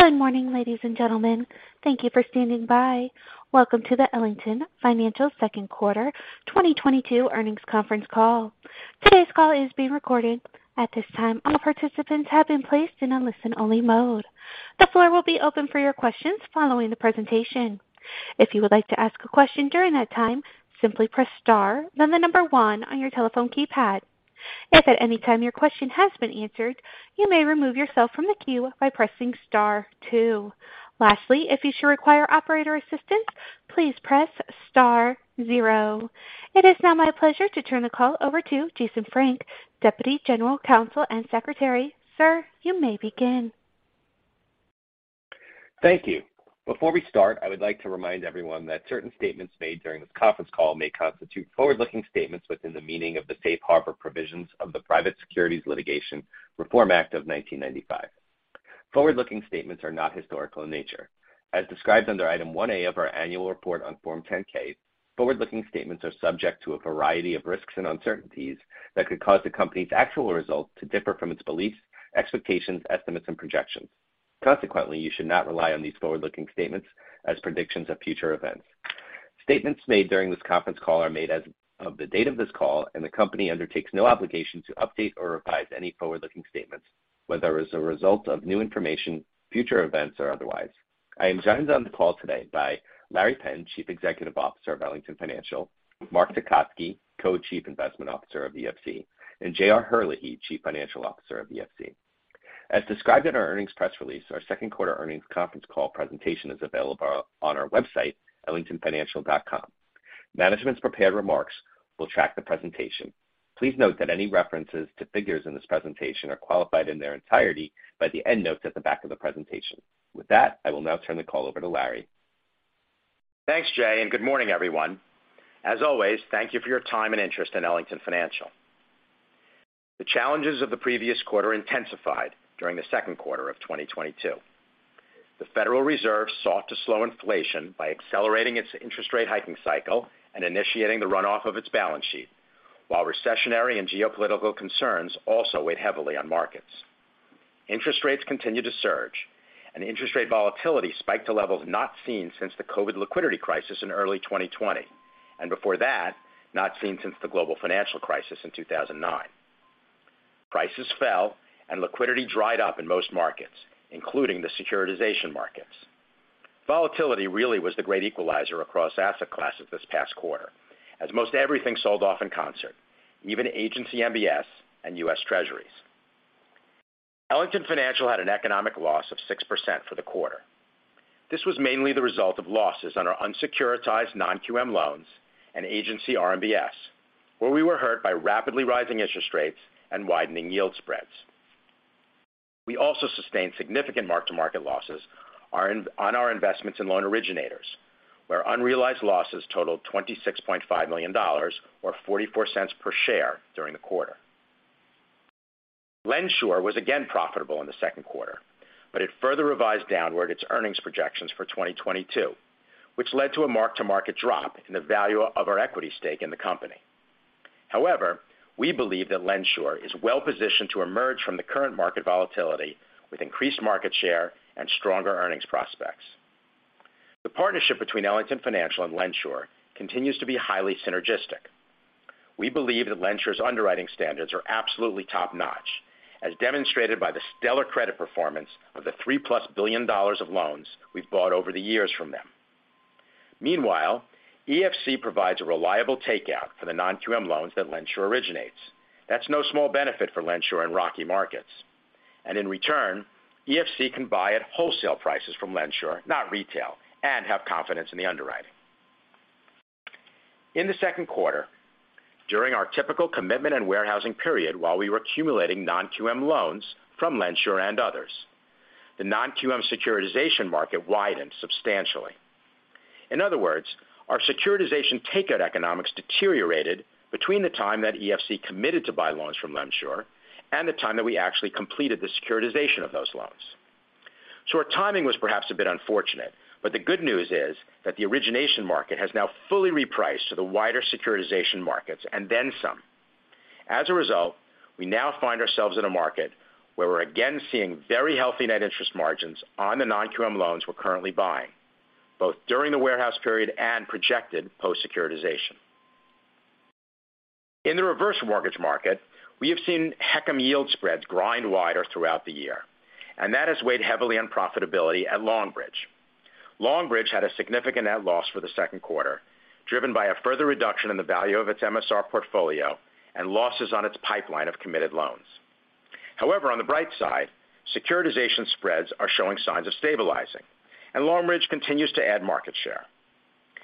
Good morning ladies and gentlemen. Thank you for standing by. Welcome to the Ellington Financial second quarter 2022 earnings conference call. Today's call is being recorded. At this time, all participants have been placed in a listen-only mode. The floor will be open for your questions following the presentation. If you would like to ask a question during that time, simply press star, then the number one on your telephone keypad. If at any time your question has been answered, you may remove yourself from the queue by pressing star two. Lastly, if you should require operator assistance, please press star zero. It is now my pleasure to turn the call over to Jason Frank, Deputy General Counsel and Secretary. Sir, you may begin. Thank you. Before we start I would like to remind everyone that certain statements made during this conference call may constitute forward-looking statements within the meaning of the Safe Harbor Provisions of the Private Securities Litigation Reform Act of 1995. Forward-looking statements are not historical in nature. As described under Item 1A of our annual report on Form 10-K, forward-looking statements are subject to a variety of risks and uncertainties that could cause the company's actual results to differ from its beliefs, expectations, estimates, and projections. Consequently, you should not rely on these forward-looking statements as predictions of future events. Statements made during this conference call are made as of the date of this call, and the company undertakes no obligation to update or revise any forward-looking statements, whether as a result of new information, future events, or otherwise. I am joined on the call today by Laurence Penn, Chief Executive Officer of Ellington Financial, Mark Tecotzky, Co-Chief Investment Officer of EFC, and JR Herlihy, Chief Financial Officer of EFC. As described in our earnings press release, our second quarter earnings conference call presentation is available on our website, ellingtonfinancial.com. Management's prepared remarks will track the presentation. Please note that any references to figures in this presentation are qualified in their entirety by the endnotes at the back of the presentation. With that, I will now turn the call over to Laurence. Thanks Jay and good morning, everyone. As always thank you for your time and interest in Ellington Financial. The challenges of the previous quarter intensified during the second quarter of 2022. The Federal Reserve sought to slow inflation by accelerating its interest rate hiking cycle and initiating the runoff of its balance sheet, while recessionary and geopolitical concerns also weighed heavily on markets. Interest rates continued to surge, and interest rate volatility spiked to levels not seen since the COVID liquidity crisis in early 2020, and before that, not seen since the global financial crisis in 2009. Prices fell and liquidity dried up in most markets, including the securitization markets. Volatility really was the great equalizer across asset classes this past quarter, as most everything sold off in concert, even agency MBS and U.S. Treasuries. Ellington Financial had an economic loss of 6% for the quarter. This was mainly the result of losses on our unsecuritized non-QM loans and agency RMBS, where we were hurt by rapidly rising interest rates and widening yield spreads. We also sustained significant mark-to-market losses on our investments in loan originators, where unrealized losses totaled $26.5 million or $0.44 per share during the quarter. LendSure was again profitable in the second quarter, but it further revised downward its earnings projections for 2022, which led to a mark-to-market drop in the value of our equity stake in the company. However, we believe that LendSure is well-positioned to emerge from the current market volatility with increased market share and stronger earnings prospects. The partnership between Ellington Financial and LendSure continues to be highly synergistic. We believe that LendSure's underwriting standards are absolutely top-notch, as demonstrated by the stellar credit performance of the $3+ billion of loans we've bought over the years from them. Meanwhile, EFC provides a reliable takeout for the non-QM loans that LendSure originates. That's no small benefit for LendSure in rocky markets. In return, EFC can buy at wholesale prices from LendSure, not retail, and have confidence in the underwriting. In the second quarter, during our typical commitment and warehousing period while we were accumulating non-QM loans from LendSure and others, the non-QM securitization market widened substantially. In other words, our securitization takeout economics deteriorated between the time that EFC committed to buy loans from LendSure and the time that we actually completed the securitization of those loans. Our timing was perhaps a bit unfortunate, but the good news is that the origination market has now fully repriced to the wider securitization markets and then some. As a result, we now find ourselves in a market where we're again seeing very healthy net interest margins on the non-QM loans we're currently buying, both during the warehouse period and projected post-securitization. In the reverse mortgage market, we have seen HECM yield spreads grind wider throughout the year, and that has weighed heavily on profitability at Longbridge. Longbridge had a significant net loss for the second quarter, driven by a further reduction in the value of its MSR portfolio and losses on its pipeline of committed loans. However, on the bright side, securitization spreads are showing signs of stabilizing, and Longbridge continues to add market share.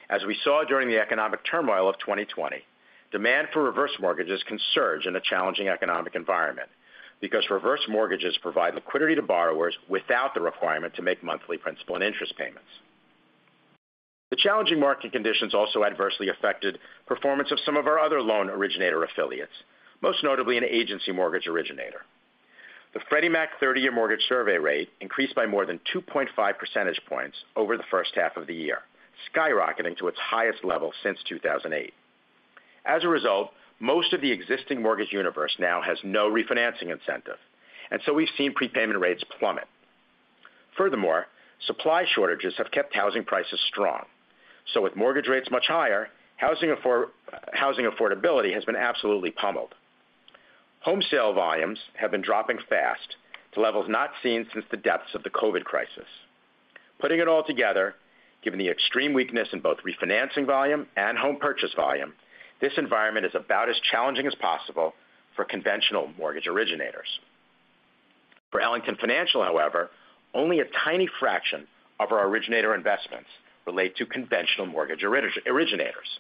As we saw during the economic turmoil of 2020, demand for reverse mortgages can surge in a challenging economic environment because reverse mortgages provide liquidity to borrowers without the requirement to make monthly principal and interest payments. The challenging market conditions also adversely affected performance of some of our other loan originator affiliates, most notably an agency mortgage originator. The Freddie Mac 30-year mortgage survey rate increased by more than 2.5 percentage points over the first half of the year, skyrocketing to its highest level since 2008. As a result, most of the existing mortgage universe now has no refinancing incentive, and so we've seen prepayment rates plummet. Furthermore, supply shortages have kept housing prices strong. With mortgage rates much higher, housing affordability has been absolutely pummeled. Home sale volumes have been dropping fast to levels not seen since the depths of the COVID crisis. Putting it all together, given the extreme weakness in both refinancing volume and home purchase volume, this environment is about as challenging as possible for conventional mortgage originators. For Ellington Financial, however, only a tiny fraction of our originator investments relate to conventional mortgage originators.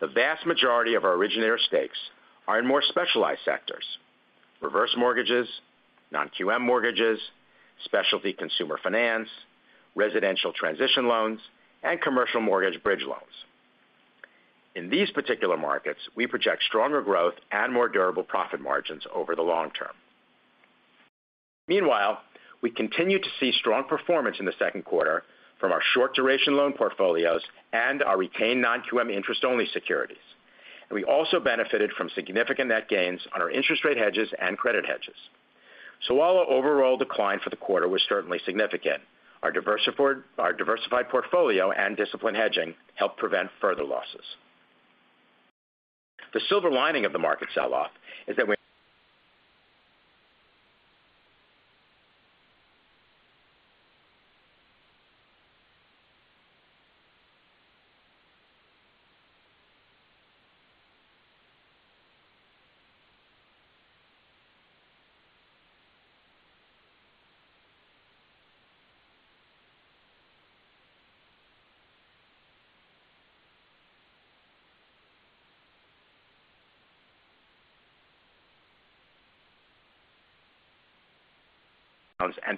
The vast majority of our originator stakes are in more specialized sectors, reverse mortgages, non-QM mortgages, specialty consumer finance, residential transition loans, and commercial mortgage bridge loans. In these particular markets, we project stronger growth and more durable profit margins over the long term. Meanwhile, we continue to see strong performance in the second quarter from our short duration loan portfolios and our retained non-QM interest-only securities. We also benefited from significant net gains on our interest rate hedges and credit hedges. While our overall decline for the quarter was certainly significant, our diversified portfolio and disciplined hedging helped prevent further losses. The silver lining of the market sell-off is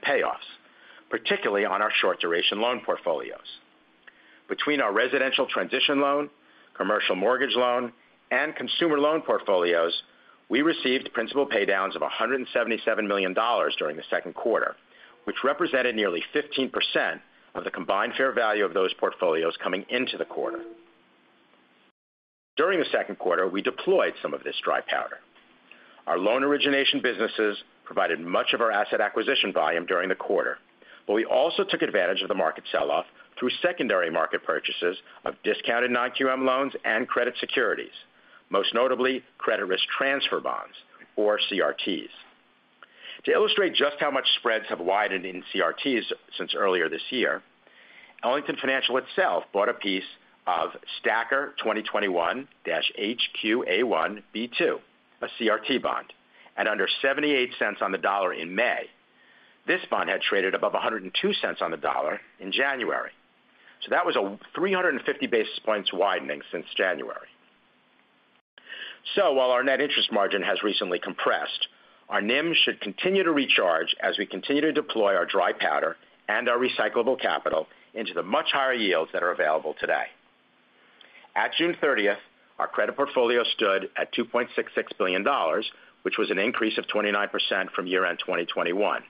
payoffs, particularly on our short duration loan portfolios. Between our residential transition loan, commercial mortgage loan, and consumer loan portfolios, we received principal pay downs of $177 million during the second quarter, which represented nearly 15% of the combined fair value of those portfolios coming into the quarter. During the second quarter, we deployed some of this dry powder. Our loan origination businesses provided much of our asset acquisition volume during the quarter, but we also took advantage of the market sell-off through secondary market purchases of discounted non-QM loans and credit securities, most notably credit risk transfer bonds, or CRTs. To illustrate just how much spreads have widened in CRTs since earlier this year, Ellington Financial itself bought a piece of STACR 2021-HQA1 B2, a CRT bond, at under $0.78 in May. This bond had traded above $1.02 in January. That was a 350 basis points widening since January. While our net interest margin has recently compressed, our NIM should continue to recharge as we continue to deploy our dry powder and our recyclable capital into the much higher yields that are available today. At June 30, our credit portfolio stood at $2.66 billion, which was an increase of 29% from year-end 2021.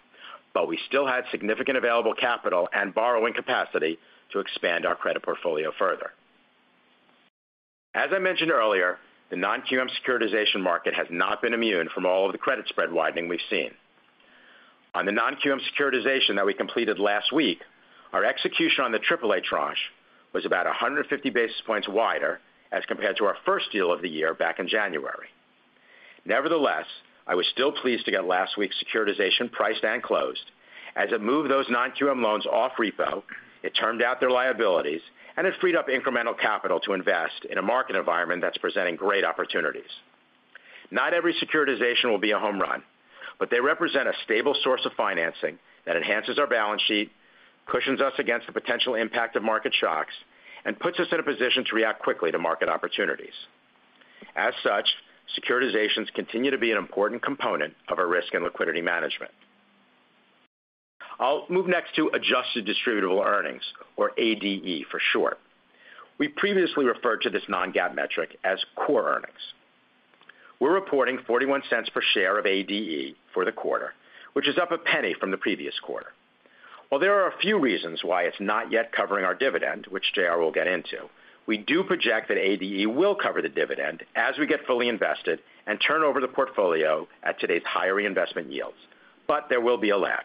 We still had significant available capital and borrowing capacity to expand our credit portfolio further. As I mentioned earlier, the non-QM securitization market has not been immune from all of the credit spread widening we've seen. On the non-QM securitization that we completed last week, our execution on the AAA tranche was about 150 basis points wider as compared to our first deal of the year back in January. Nevertheless, I was still pleased to get last week's securitization priced and closed as it moved those non-QM loans off repo, it turned out their liabilities, and it freed up incremental capital to invest in a market environment that's presenting great opportunities. Not every securitization will be a home run, but they represent a stable source of financing that enhances our balance sheet, cushions us against the potential impact of market shocks, and puts us in a position to react quickly to market opportunities. As such, securitizations continue to be an important component of our risk and liquidity management. I'll move next to adjusted distributable earnings, or ADE for short. We previously referred to this non-GAAP metric as core earnings. We're reporting $0.41 per share of ADE for the quarter, which is up $0.01 from the previous quarter. While there are a few reasons why it's not yet covering our dividend, which JR will get into, we do project that ADE will cover the dividend as we get fully invested and turn over the portfolio at today's higher reinvestment yields. There will be a lag.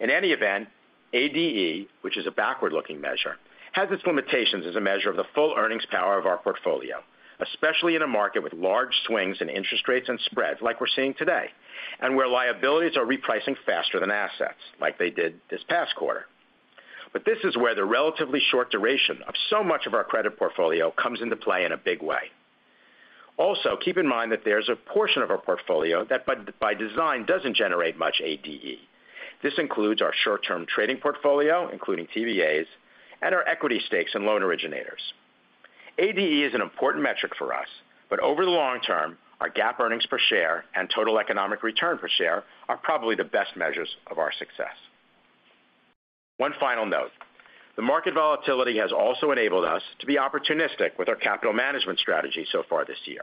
In any event, ADE, which is a backward-looking measure, has its limitations as a measure of the full earnings power of our portfolio, especially in a market with large swings in interest rates and spreads like we're seeing today, and where liabilities are repricing faster than assets like they did this past quarter. This is where the relatively short duration of so much of our credit portfolio comes into play in a big way. Also, keep in mind that there's a portion of our portfolio that by design doesn't generate much ADE. This includes our short-term trading portfolio, including TBAs, and our equity stakes in loan originators. ADE is an important metric for us, but over the long term, our GAAP earnings per share and total economic return per share are probably the best measures of our success. One final note: The market volatility has also enabled us to be opportunistic with our capital management strategy so far this year.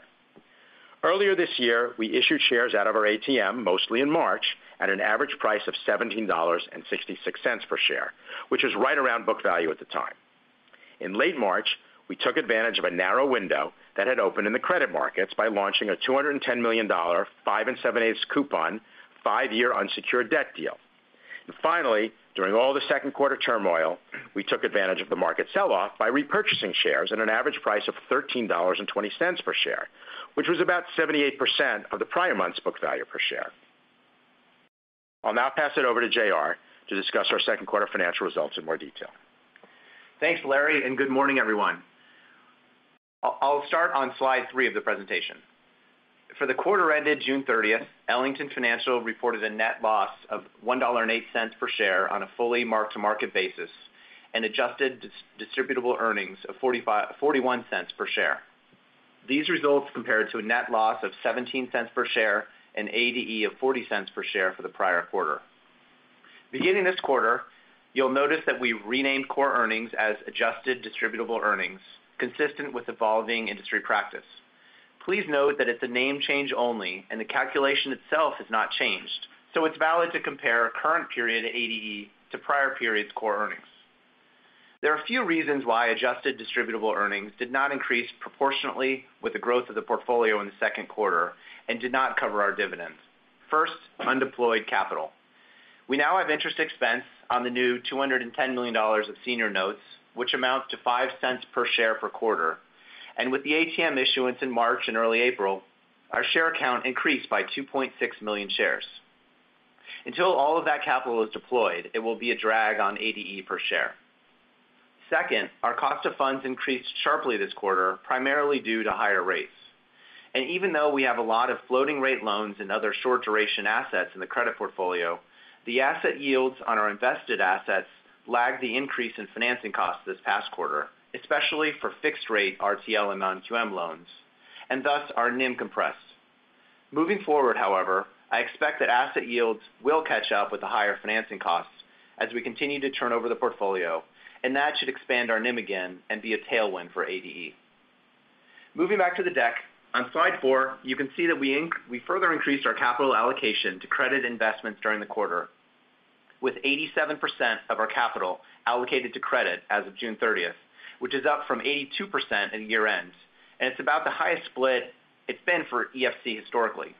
Earlier this year, we issued shares out of our ATM, mostly in March, at an average price of $17.66 per share, which was right around book value at the time. In late March, we took advantage of a narrow window that had opened in the credit markets by launching a $210 million 5 7/8 coupon five-year unsecured debt deal. Finally, during all the second quarter turmoil, we took advantage of the market sell-off by repurchasing shares at an average price of $13.20 per share, which was about 78% of the prior month's book value per share. I'll now pass it over to JR to discuss our second quarter financial results in more detail. Thanks Larry and good morning everyone. I'll start on slide 3 of the presentation. For the quarter ended June 30th, Ellington Financial reported a net loss of $1.08 per share on a fully mark-to-market basis and adjusted distributable earnings of $0.41 per share. These results compared to a net loss of $0.17 per share and ADE of $0.40 per share for the prior quarter. Beginning this quarter, you'll notice that we renamed core earnings as adjusted distributable earnings, consistent with evolving industry practice. Please note that it's a name change only, and the calculation itself has not changed, so it's valid to compare a current period ADE to prior periods core earnings. There are a few reasons why adjusted distributable earnings did not increase proportionately with the growth of the portfolio in the second quarter and did not cover our dividends. First undeployed capital. We now have interest expense on the new $210 million of senior notes, which amounts to $0.05 per share per quarter. With the ATM issuance in March and early April, our share count increased by 2.6 million shares. Until all of that capital is deployed, it will be a drag on ADE per share. Second, our cost of funds increased sharply this quarter, primarily due to higher rates. Even though we have a lot of floating rate loans and other short duration assets in the credit portfolio, the asset yields on our invested assets lagged the increase in financing costs this past quarter, especially for fixed rate RTL and non-QM loans, and thus our NIM compressed. Moving forward, however, I expect that asset yields will catch up with the higher financing costs as we continue to turn over the portfolio, and that should expand our NIM again and be a tailwind for ADE. Moving back to the deck, on slide four, you can see that we further increased our capital allocation to credit investments during the quarter with 87% of our capital allocated to credit as of June 30, which is up from 82% at year-end. It's about the highest split it's been for EFC historically.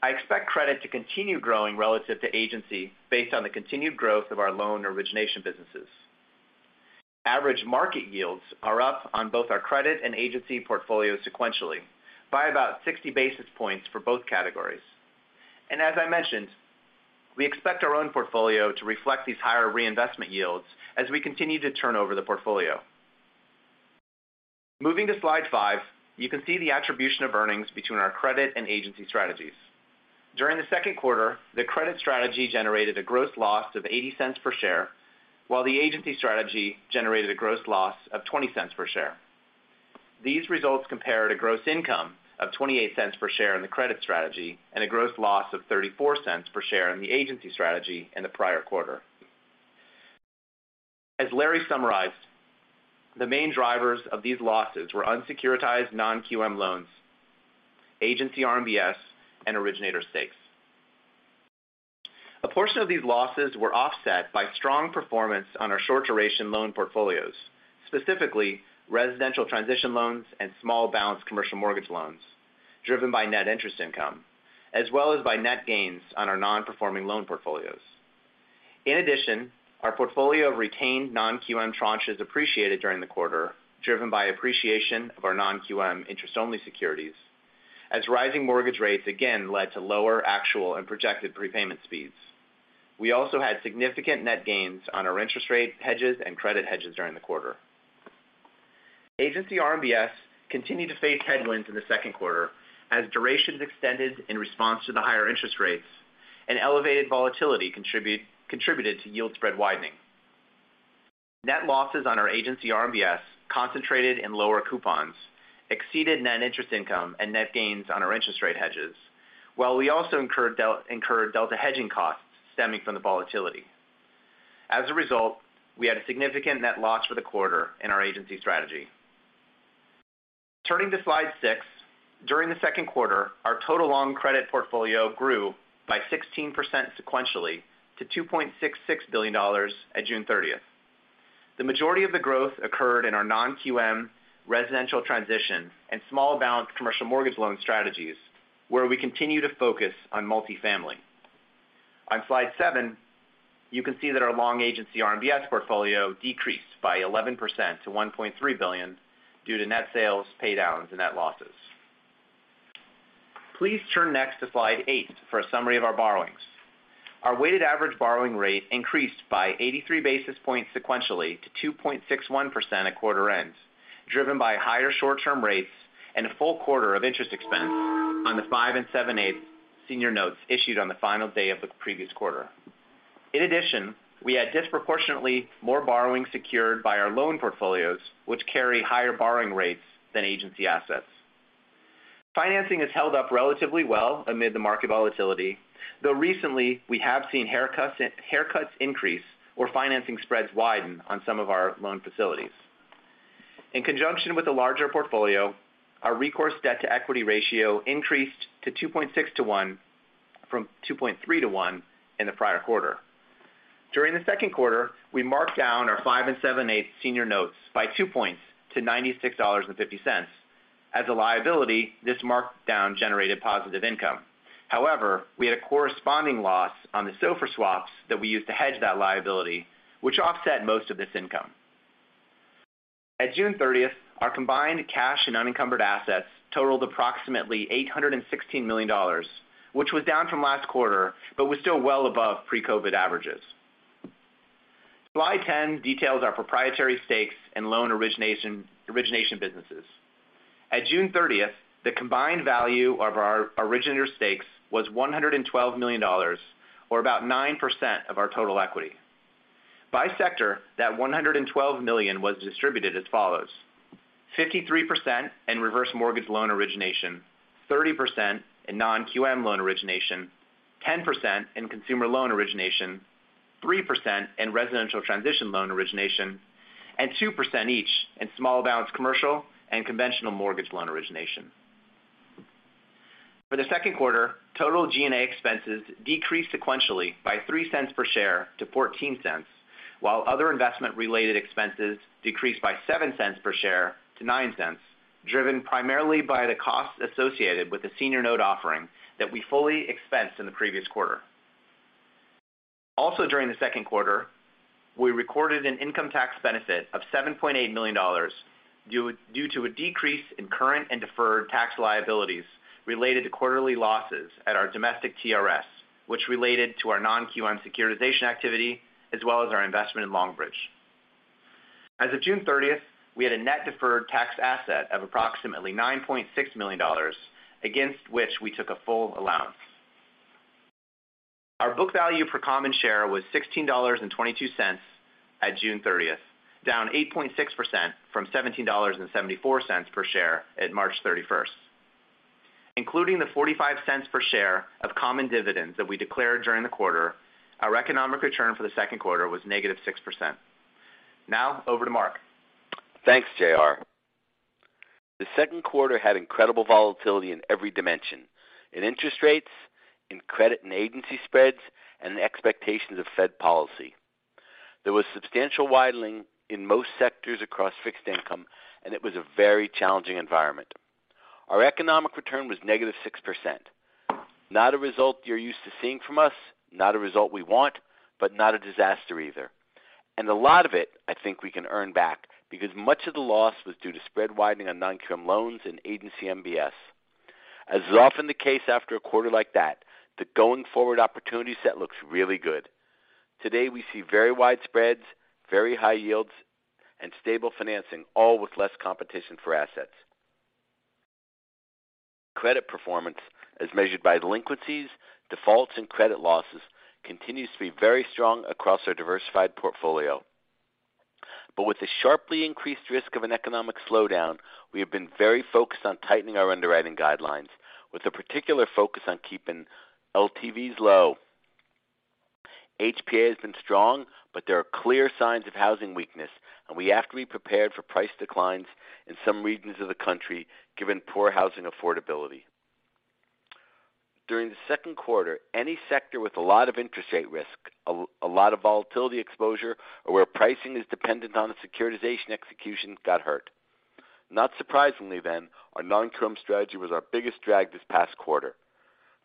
I expect credit to continue growing relative to agency based on the continued growth of our loan origination businesses. Average market yields are up on both our credit and agency portfolio sequentially by about 60 basis points for both categories. As I mentioned, we expect our own portfolio to reflect these higher reinvestment yields as we continue to turn over the portfolio. Moving to slide 5, you can see the attribution of earnings between our credit and agency strategies. During the second quarter, the credit strategy generated a gross loss of $0.80 per share, while the agency strategy generated a gross loss of $0.20 per share. These results compare to gross income of $0.28 per share in the credit strategy and a gross loss of $0.34 per share in the agency strategy in the prior quarter. As Larry summarized, the main drivers of these losses were unsecuritized non-QM loans, agency RMBS, and originator stakes. A portion of these losses were offset by strong performance on our short duration loan portfolios, specifically residential transition loans and small balance commercial mortgage loans driven by net interest income, as well as by net gains on our non-performing loan portfolios. In addition, our portfolio of retained non-QM tranches appreciated during the quarter, driven by appreciation of our non-QM interest-only securities as rising mortgage rates again led to lower actual and projected prepayment speeds. We also had significant net gains on our interest rate hedges and credit hedges during the quarter. Agency RMBS continued to face headwinds in the second quarter as durations extended in response to the higher interest rates and elevated volatility contributed to yield spread widening. Net losses on our agency RMBS concentrated in lower coupons exceeded net interest income and net gains on our interest rate hedges, while we also incurred delta hedging costs stemming from the volatility. As a result, we had a significant net loss for the quarter in our agency strategy. Turning to slide 6. During the second quarter, our total long credit portfolio grew by 16% sequentially to $2.66 billion at June 30th. The majority of the growth occurred in our non-QM residential transition and small balance commercial mortgage loan strategies, where we continue to focus on multifamily. On slide 7, you can see that our long agency RMBS portfolio decreased by 11% to $1.3 billion due to net sales, pay downs, and net losses. Please turn next to slide 8 for a summary of our borrowings. Our weighted average borrowing rate increased by 83 basis points sequentially to 2.61% at quarter end, driven by higher short-term rates and a full quarter of interest expense on the 5 7/8 senior notes issued on the final day of the previous quarter. In addition, we had disproportionately more borrowing secured by our loan portfolios, which carry higher borrowing rates than agency assets. Financing has held up relatively well amid the market volatility, though recently we have seen haircuts increase or financing spreads widen on some of our loan facilities. In conjunction with the larger portfolio, our recourse debt to equity ratio increased to 2.6 to 1 from 2.3 to 1 in the prior quarter. During the second quarter, we marked down our 5 7/8 senior notes by 2 points to $96.50. As a liability, this markdown generated positive income. However, we had a corresponding loss on the SOFR swaps that we used to hedge that liability, which offset most of this income. At June 30th, our combined cash and unencumbered assets totaled approximately $816 million, which was down from last quarter, but was still well above pre-COVID averages. Slide 10 details our proprietary stakes in loan origination businesses. At June 30th, the combined value of our originator stakes was $112 million, or about 9% of our total equity. By sector, that $112 million was distributed as follows: 53% in reverse mortgage loan origination, 30% in non-QM loan origination, 10% in consumer loan origination, 3% in residential transition loan origination, and 2% each in small balance commercial and conventional mortgage loan origination. For the second quarter, total G&A expenses decreased sequentially by $0.03 per share to $0.14, while other investment related expenses decreased by $0.07 per share to $0.09, driven primarily by the costs associated with the senior note offering that we fully expensed in the previous quarter. During the second quarter, we recorded an income tax benefit of $7.8 million due to a decrease in current and deferred tax liabilities related to quarterly losses at our domestic TRS, which related to our non-QM securitization activity, as well as our investment in Longbridge. As of June 30th, we had a net deferred tax asset of approximately $9.6 million against which we took a full allowance. Our book value per common share was $16.22 at June 30th, down 8.6% from $17.74 per share at March 31st. Including the $0.45 per share of common dividends that we declared during the quarter, our economic return for the second quarter was -6%. Now, over to Mark. Thanks JR. The second quarter had incredible volatility in every dimension, in interest rates, in credit and agency spreads, and the expectations of Fed policy. There was substantial widening in most sectors across fixed income, and it was a very challenging environment. Our economic return was -6%. Not a result you're used to seeing from us, not a result we want, but not a disaster either. A lot of it, I think we can earn back because much of the loss was due to spread widening on non-QM loans and agency MBS. As is often the case after a quarter like that, the going forward opportunity set looks really good. Today, we see very wide spreads, very high yields, and stable financing, all with less competition for assets. Credit performance as measured by delinquencies, defaults, and credit losses continues to be very strong across our diversified portfolio. with the sharply increased risk of an economic slowdown, we have been very focused on tightening our underwriting guidelines with a particular focus on keeping LTVs low. HPA has been strong, but there are clear signs of housing weakness, and we have to be prepared for price declines in some regions of the country, given poor housing affordability. During the second quarter, any sector with a lot of interest rate risk, a lot of volatility exposure or where pricing is dependent on the securitization execution got hurt. Not surprisingly then, our non-QM strategy was our biggest drag this past quarter.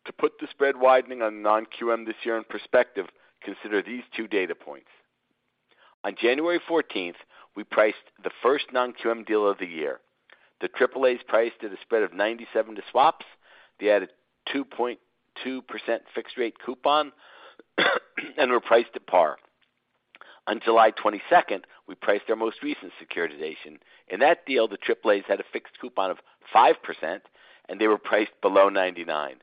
To put the spread widening on non-QM this year in perspective, consider these two data points. On January 14th, we priced the first non-QM deal of the year. The AAAs priced at a spread of 97 to swaps. They had a 2.2% fixed rate coupon and were priced at par. On July 22nd, we priced our most recent securitization. In that deal, the AAAs had a fixed coupon of 5%, and they were priced below 99.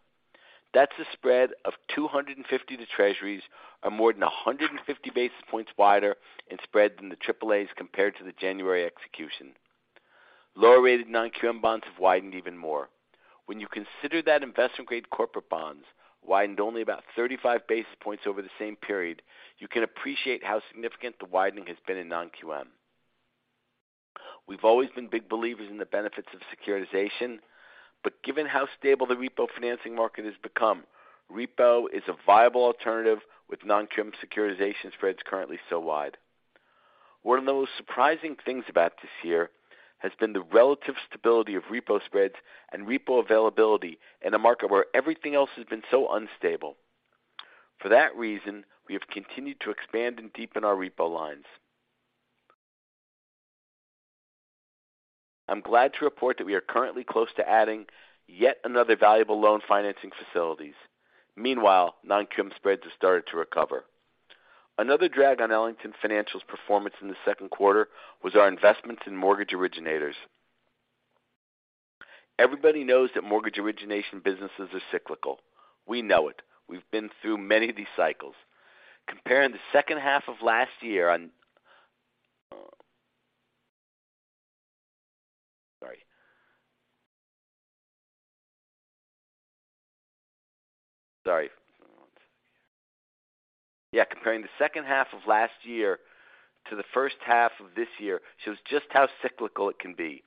That's a spread of 250 to Treasuries or more than 150 basis points wider in spread than the AAAs compared to the January execution. Lower rated non-QM bonds have widened even more. When you consider that investment-grade corporate bonds widened only about 35 basis points over the same period, you can appreciate how significant the widening has been in non-QM. We've always been big believers in the benefits of securitization, but given how stable the repo financing market has become, repo is a viable alternative with non-QM securitization spreads currently so wide. One of the most surprising things about this year has been the relative stability of repo spreads and repo availability in a market where everything else has been so unstable. For that reason, we have continued to expand and deepen our repo lines. I'm glad to report that we are currently close to adding yet another valuable loan financing facilities. Meanwhile, non-QM spreads have started to recover. Another drag on Ellington Financial's performance in the second quarter was our investments in mortgage originators. Everybody knows that mortgage origination businesses are cyclical. We know it. We've been through many of these cycles. Comparing the second half of last year to the first half of this year shows just how cyclical it can be.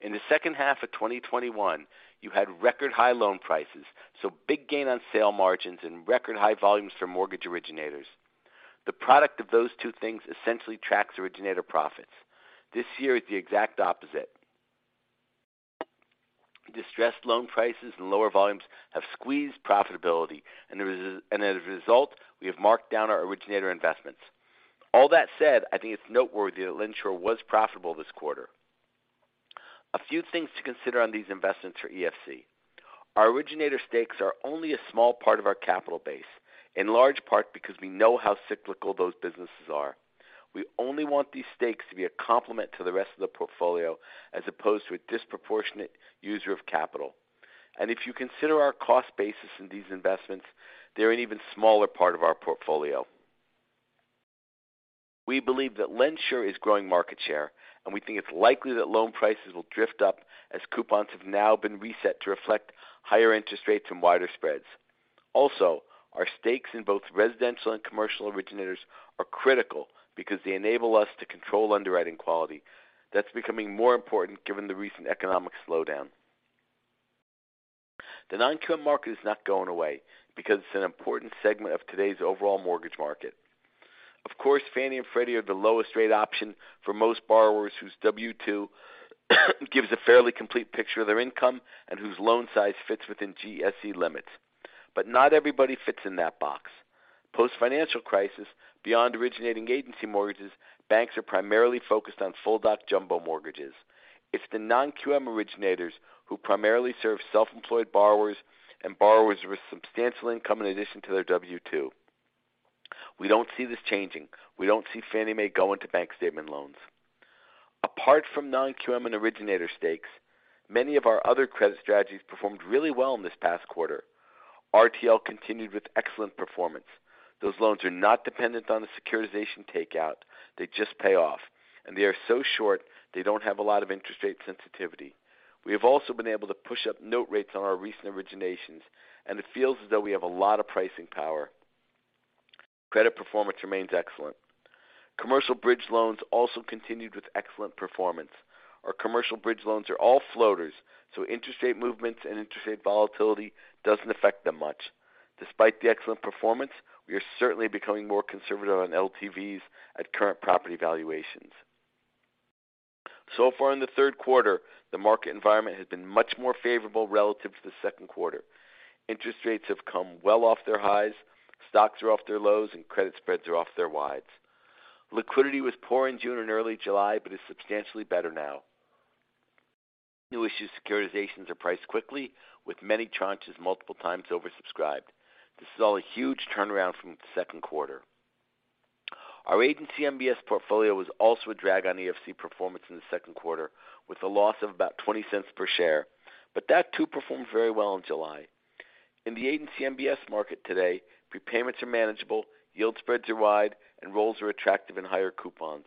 In the second half of 2021, you had record high loan prices, so big gain on sale margins and record high volumes for mortgage originators. The product of those two things essentially tracks originator profits. This year is the exact opposite. Distressed loan prices and lower volumes have squeezed profitability, and as a result, we have marked down our originator investments. All that said, I think it's noteworthy that LendSure was profitable this quarter. A few things to consider on these investments for EFC. Our originator stakes are only a small part of our capital base, in large part because we know how cyclical those businesses are. We only want these stakes to be a complement to the rest of the portfolio as opposed to a disproportionate user of capital. If you consider our cost basis in these investments, they're an even smaller part of our portfolio. We believe that LendSure is growing market share, and we think it's likely that loan prices will drift up as coupons have now been reset to reflect higher interest rates and wider spreads. Also, our stakes in both residential and commercial originators are critical because they enable us to control underwriting quality. That's becoming more important given the recent economic slowdown. The non-QM market is not going away because it's an important segment of today's overall mortgage market. Of course, Fannie and Freddie are the lowest rate option for most borrowers whose W-2 gives a fairly complete picture of their income and whose loan size fits within GSE limits. But not everybody fits in that box. Post-financial crisis, beyond originating agency mortgages, banks are primarily focused on full doc jumbo mortgages. It's the non-QM originators who primarily serve self-employed borrowers and borrowers with substantial income in addition to their W-2. We don't see this changing. We don't see Fannie Mae go into bank statement loans. Apart from non-QM and originator stakes, many of our other credit strategies performed really well in this past quarter. RTL continued with excellent performance. Those loans are not dependent on the securitization takeout. They just pay off. They are so short, they don't have a lot of interest rate sensitivity. We have also been able to push up note rates on our recent originations, and it feels as though we have a lot of pricing power. Credit performance remains excellent. Commercial bridge loans also continued with excellent performance. Our commercial bridge loans are all floaters, so interest rate movements and interest rate volatility doesn't affect them much. Despite the excellent performance, we are certainly becoming more conservative on LTVs at current property valuations. So far in the third quarter, the market environment has been much more favorable relative to the second quarter. Interest rates have come well off their highs. Stocks are off their lows, and credit spreads are off their wides. Liquidity was poor in June and early July but is substantially better now. New issue securitizations are priced quickly, with many tranches multiple times oversubscribed. This is all a huge turnaround from the second quarter. Our agency MBS portfolio was also a drag on EFC performance in the second quarter with a loss of about $0.20 per share, but that too performed very well in July. In the agency MBS market today, prepayments are manageable, yield spreads are wide, and rolls are attractive in higher coupons.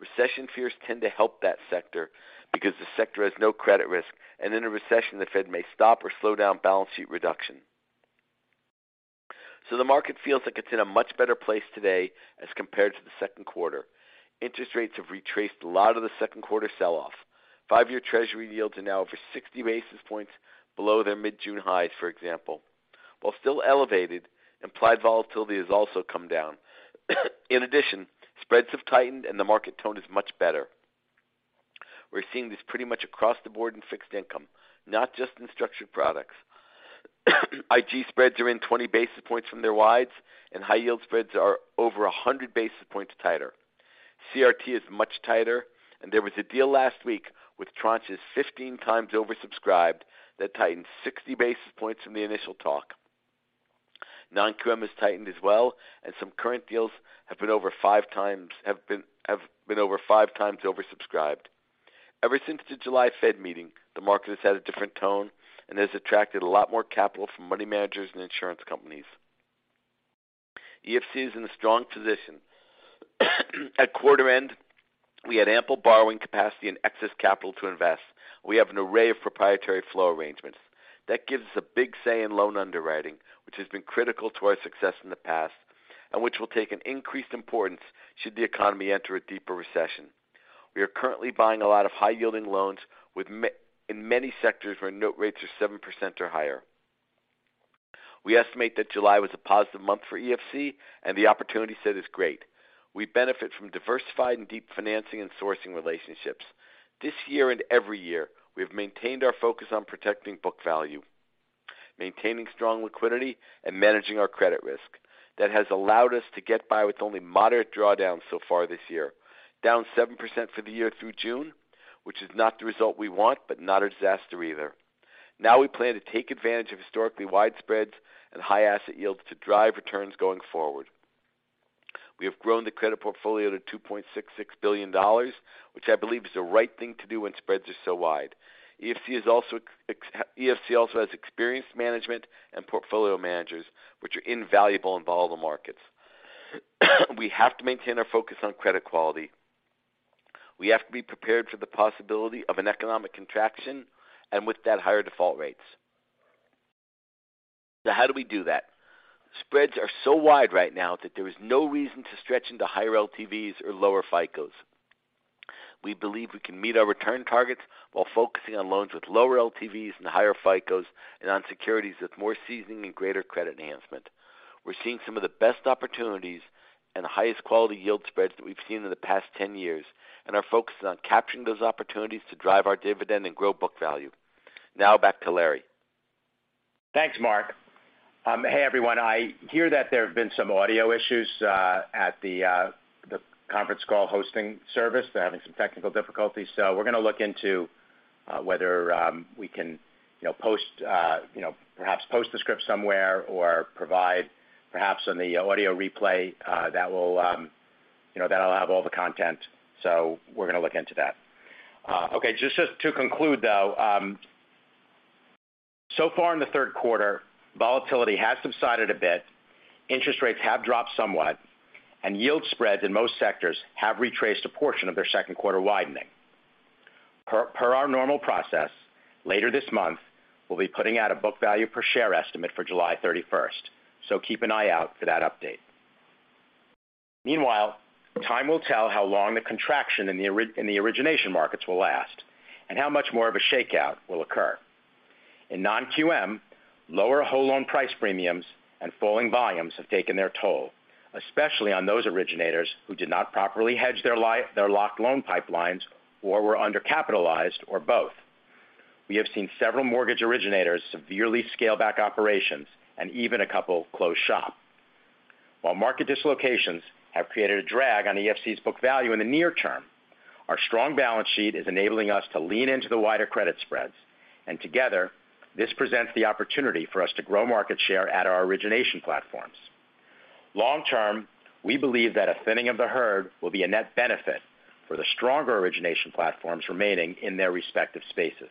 Recession fears tend to help that sector because the sector has no credit risk, and in a recession, the Fed may stop or slow down balance sheet reduction. The market feels like it's in a much better place today as compared to the second quarter. Interest rates have retraced a lot of the second quarter sell-off. 5-year Treasury yields are now over 60 basis points below their mid-June highs, for example. While still elevated, implied volatility has also come down. In addition, spreads have tightened, and the market tone is much better. We're seeing this pretty much across the board in fixed income, not just in structured products. IG spreads are in 20 basis points from their wides, and high yield spreads are over 100 basis points tighter. CRT is much tighter, and there was a deal last week with tranches 15x oversubscribed that tightened 60 basis points from the initial talk. Non-QM has tightened as well, and some current deals have been over 5x oversubscribed. Ever since the July Fed meeting, the market has had a different tone and has attracted a lot more capital from money managers and insurance companies. EFC is in a strong position. At quarter end, we had ample borrowing capacity and excess capital to invest. We have an array of proprietary flow arrangements. That gives us a big say in loan underwriting, which has been critical to our success in the past and which will take an increased importance should the economy enter a deeper recession. We are currently buying a lot of high-yielding loans in many sectors where note rates are 7% or higher. We estimate that July was a positive month for EFC, and the opportunity set is great. We benefit from diversified and deep financing and sourcing relationships. This year and every year, we have maintained our focus on protecting book value, maintaining strong liquidity, and managing our credit risk. That has allowed us to get by with only moderate drawdowns so far this year, down 7% for the year through June, which is not the result we want, but not a disaster either. Now we plan to take advantage of historically wide spreads and high asset yields to drive returns going forward. We have grown the credit portfolio to $2.66 billion, which I believe is the right thing to do when spreads are so wide. EFC also has experienced management and portfolio managers, which are invaluable in volatile markets. We have to maintain our focus on credit quality. We have to be prepared for the possibility of an economic contraction and with that, higher default rates. How do we do that? Spreads are so wide right now that there is no reason to stretch into higher LTVs or lower FICOs. We believe we can meet our return targets while focusing on loans with lower LTVs and higher FICOs and on securities with more seasoning and greater credit enhancement. We're seeing some of the best opportunities and highest quality yield spreads that we've seen in the past 10 years and are focusing on capturing those opportunities to drive our dividend and grow book value. Now back to Larry. Thanks, Mark. Hey, everyone. I hear that there have been some audio issues at the conference call hosting service. They're having some technical difficulties, so we're gonna look into whether we can, you know, post, you know, perhaps post the script somewhere or provide perhaps in the audio replay that will, you know, that'll have all the content. So we're gonna look into that. Okay. Just to conclude, though, so far in the third quarter, volatility has subsided a bit, interest rates have dropped somewhat, and yield spreads in most sectors have retraced a portion of their second quarter widening. Per our normal process, later this month, we'll be putting out a book value per share estimate for July 31st. Keep an eye out for that update. Meanwhile, time will tell how long the contraction in the origination markets will last and how much more of a shakeout will occur. In non-QM, lower whole loan price premiums and falling volumes have taken their toll, especially on those originators who did not properly hedge their locked loan pipelines or were undercapitalized or both. We have seen several mortgage originators severely scale back operations and even a couple close shop. While market dislocations have created a drag on EFC's book value in the near term, our strong balance sheet is enabling us to lean into the wider credit spreads. Together, this presents the opportunity for us to grow market share at our origination platforms. Long term, we believe that a thinning of the herd will be a net benefit for the stronger origination platforms remaining in their respective spaces.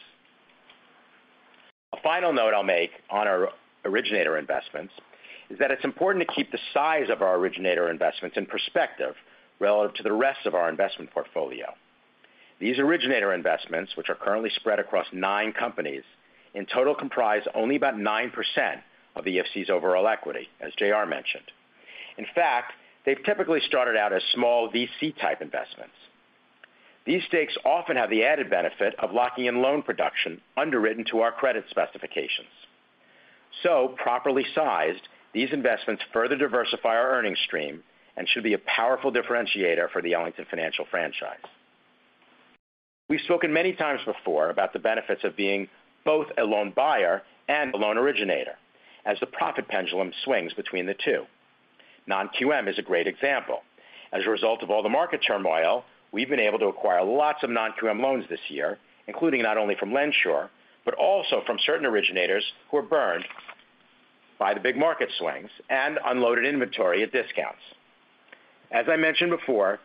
A final note I'll make on our originator investments is that it's important to keep the size of our originator investments in perspective relative to the rest of our investment portfolio. These originator investments, which are currently spread across nine companies, in total comprise only about 9% of EFC's overall equity, as JR mentioned. In fact, they've typically started out as small VC-type investments. These stakes often have the added benefit of locking in loan production underwritten to our credit specifications. Properly sized, these investments further diversify our earnings stream and should be a powerful differentiator for the Ellington Financial franchise. We've spoken many times before about the benefits of being both a loan buyer and a loan originator as the profit pendulum swings between the two. Non-QM is a great example. As a result of all the market turmoil, we've been able to acquire lots of non-QM loans this year, including not only from LendSure, but also from certain originators who are burned by the big market swings and unloaded inventory at discounts. As I mentioned before,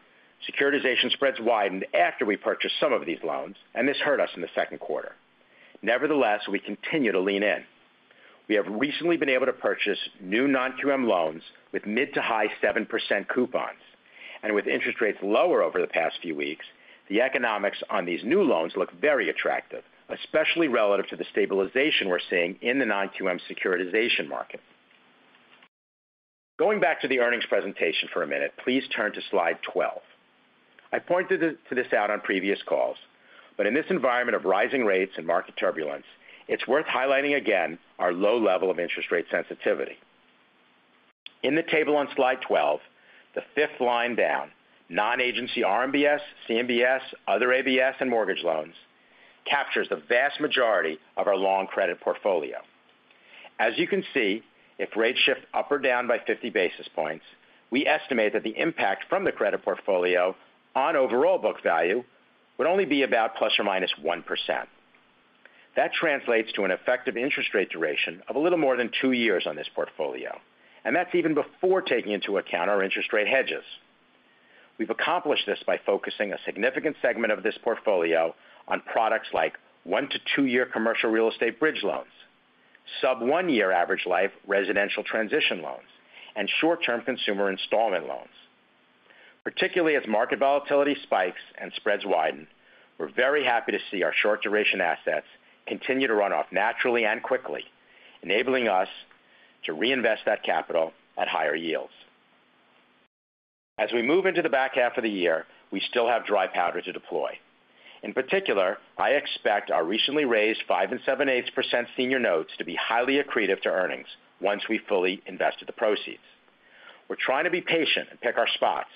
securitization spreads widened after we purchased some of these loans, and this hurt us in the second quarter. Nevertheless, we continue to lean in. We have recently been able to purchase new non-QM loans with mid- to high-7% coupons. With interest rates lower over the past few weeks, the economics on these new loans look very attractive, especially relative to the stabilization we're seeing in the non-QM securitization market. Going back to the earnings presentation for a minute, please turn to slide 12. I pointed this out on previous calls, but in this environment of rising rates and market turbulence, it's worth highlighting again our low level of interest rate sensitivity. In the table on slide 12, the fifth line down, non-agency RMBS, CMBS, other ABS and mortgage loans, captures the vast majority of our long credit portfolio. As you can see, if rates shift up or down by 50 basis points, we estimate that the impact from the credit portfolio on overall book value would only be about ±1%. That translates to an effective interest rate duration of a little more than 2 years on this portfolio, and that's even before taking into account our interest rate hedges. We've accomplished this by focusing a significant segment of this portfolio on products like 1-2-year commercial real estate bridge loans, sub-1-year average life residential transition loans, and short-term consumer installment loans. Particularly as market volatility spikes and spreads widen, we're very happy to see our short duration assets continue to run off naturally and quickly, enabling us to reinvest that capital at higher yields. As we move into the back half of the year, we still have dry powder to deploy. In particular, I expect our recently raised 5 7/8% senior notes to be highly accretive to earnings once we've fully invested the proceeds. We're trying to be patient and pick our spots,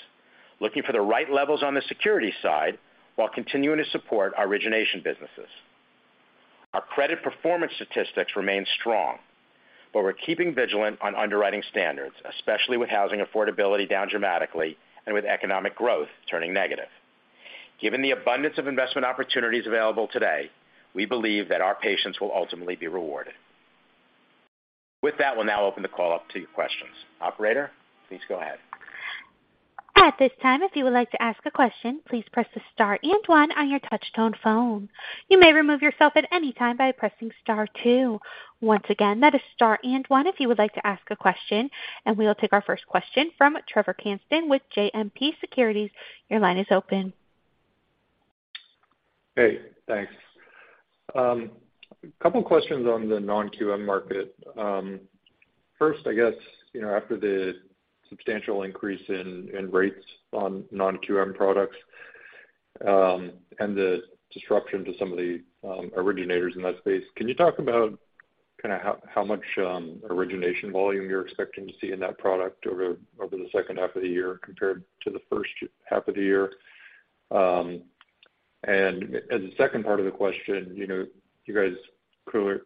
looking for the right levels on the security side while continuing to support our origination businesses. Our credit performance statistics remain strong, but we're keeping vigilant on underwriting standards, especially with housing affordability down dramatically and with economic growth turning negative. Given the abundance of investment opportunities available today, we believe that our patience will ultimately be rewarded. With that, we'll now open the call up to your questions. Operator, please go ahead. At this time, if you would like to ask a question, please press the star and one on your touchtone phone. You may remove yourself at any time by pressing star two. Once again, that is star and one if you would like to ask a question, and we will take our first question from Trevor Cranston with JMP Securities. Your line is open. Hey thanks. A couple questions on the non-QM market. First, I guess, you know, after the substantial increase in rates on non-QM products, and the disruption to some of the originators in that space, can you talk about kinda how much origination volume you're expecting to see in that product over the second half of the year compared to the first half of the year? As a second part of the question, you know, you guys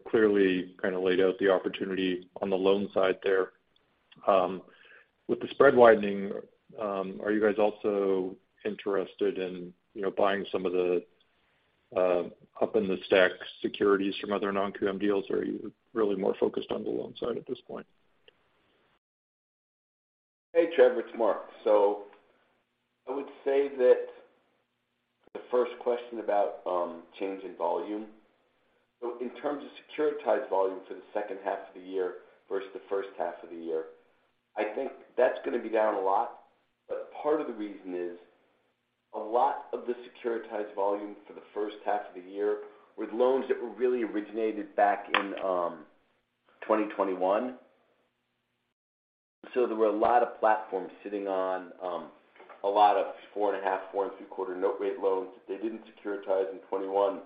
clearly kinda laid out the opportunity on the loan side there. With the spread widening, are you guys also interested in, you know, buying some of the up in the stack securities from other non-QM deals? Or are you really more focused on the loan side at this point? Hey Trevor it's Mark. I would say that the first question about change in volume. In terms of securitized volume for the second half of the year versus the first half of the year, I think that's gonna be down a lot. Part of the reason is a lot of the securitized volume for the first half of the year were loans that were really originated back in 2021. There were a lot of platforms sitting on a lot of 4.5, 4.75 note rate loans that they didn't securitize in 2021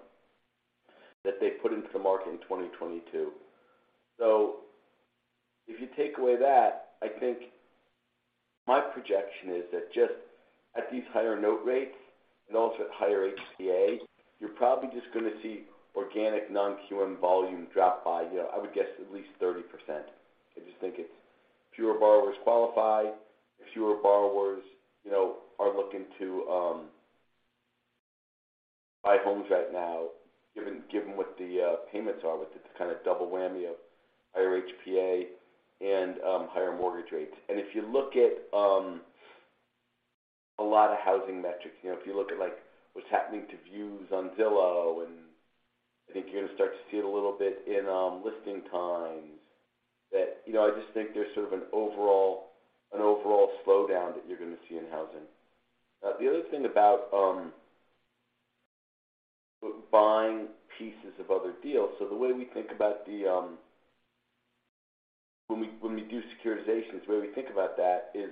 that they put into the market in 2022. If you take away that, I think my projection is that just at these higher note rates and also at higher HPA, you're probably just gonna see organic non-QM volume drop by, you know, I would guess at least 30%. I just think it's fewer borrowers qualify, you know, are looking to buy homes right now given what the payments are with it, the kinda double whammy of higher HPA and higher mortgage rates. If you look at a lot of housing metrics, you know, if you look at, like, what's happening to views on Zillow, and I think you're gonna start to see it a little bit in listing times, that, you know, I just think there's sort of an overall slowdown that you're gonna see in housing. The other thing about buying pieces of other deals. When we do securitizations, the way we think about that is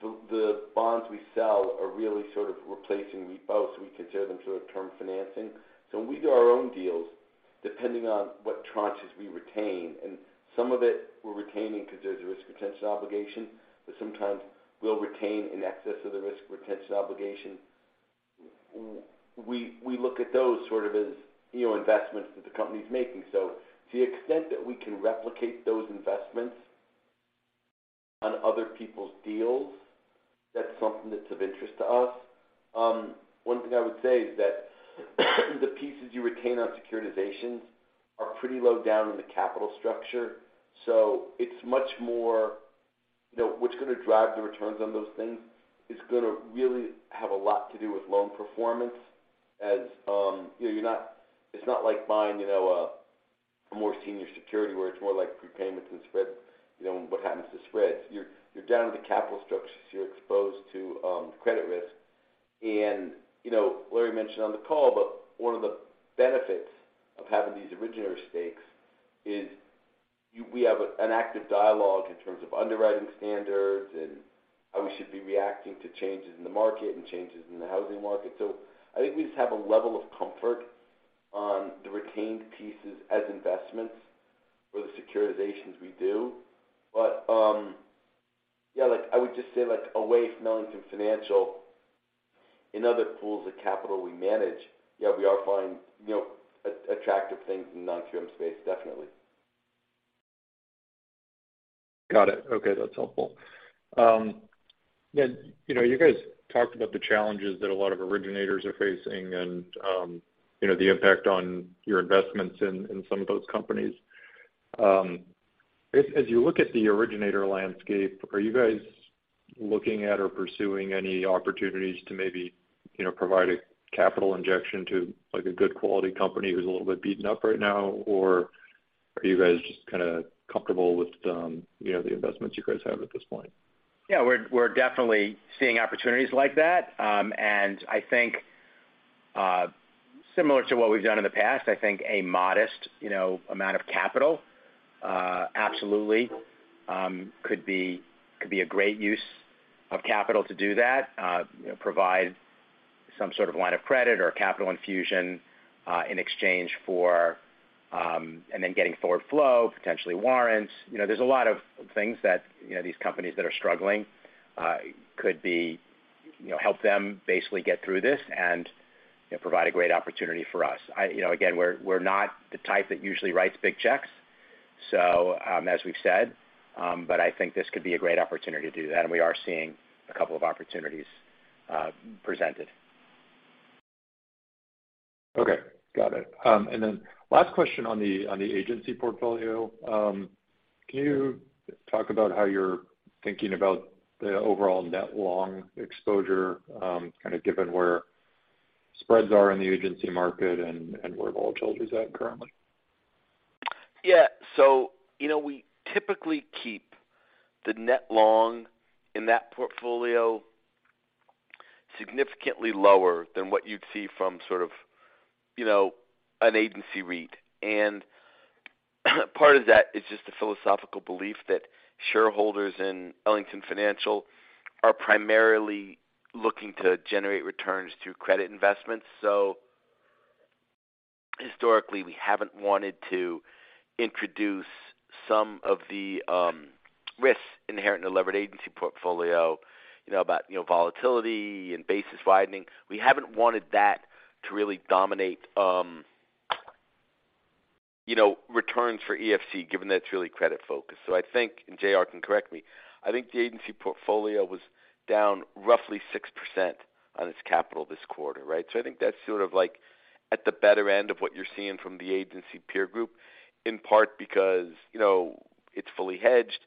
so the bonds we sell are really sort of replacing repo, so we consider them sort of term financing. When we do our own deals, depending on what tranches we retain, and some of it we're retaining because there's a risk retention obligation, but sometimes we'll retain in excess of the risk retention obligation. We look at those sort of as, you know, investments that the company's making. To the extent that we can replicate those investments on other people's deals, that's something that's of interest to us. One thing I would say is that the pieces you retain on securitizations are pretty low down in the capital structure. It's much more, you know, what's gonna drive the returns on those things is gonna really have a lot to do with loan performance as, you know, it's not like buying, you know, a more senior security where it's more like prepayments and spreads, you know, what happens to spreads. You're down in the capital structures, so you're exposed to credit risk. You know, Laurence mentioned on the call, but one of the benefits of having these originator stakes is we have an active dialogue in terms of underwriting standards and how we should be reacting to changes in the market and changes in the housing market. I think we just have a level of comfort on the retained pieces as investments for the securitizations we do. Yeah, like I would just say like away from Ellington Financial, in other pools of capital we manage, yeah, we are finding, you know, attractive things in non-QM space, definitely. Got it okay. That's helpful. Yeah, you know, you guys talked about the challenges that a lot of originators are facing and, you know, the impact on your investments in some of those companies. As you look at the originator landscape, are you guys looking at or pursuing any opportunities to maybe, you know, provide a capital injection to like a good quality company who's a little bit beaten up right now? Or are you guys just kinda comfortable with, you know, the investments you guys have at this point? Yeah. We're definitely seeing opportunities like that. I think similar to what we've done in the past, I think a modest, you know, amount of capital absolutely could be a great use of capital to do that. You know, provide some sort of line of credit or capital infusion in exchange for and then getting forward flow, potentially warrants. You know, there's a lot of things that, you know, these companies that are struggling could be, you know, help them basically get through this and, you know, provide a great opportunity for us. You know, again, we're not the type that usually writes big checks, so as we've said. I think this could be a great opportunity to do that, and we are seeing a couple of opportunities presented. Okay got it. Last question on the agency portfolio. Can you talk about how you're thinking about the overall net long exposure, kind of given where spreads are in the agency market and where volatility's at currently? Yeah. You know we typically keep the net long in that portfolio significantly lower than what you'd see from sort of, you know, an agency REIT. Part of that is just a philosophical belief that shareholders in Ellington Financial are primarily looking to generate returns through credit investments. Historically, we haven't wanted to introduce some of the risks inherent in a levered agency portfolio, you know, about, you know, volatility and basis widening. We haven't wanted that to really dominate, you know, returns for EFC, given that it's really credit-focused. I think, and JR can correct me, I think the agency portfolio was down roughly 6% on its capital this quarter, right? I think that's sort of like at the better end of what you're seeing from the agency peer group, in part because, you know, it's fully hedged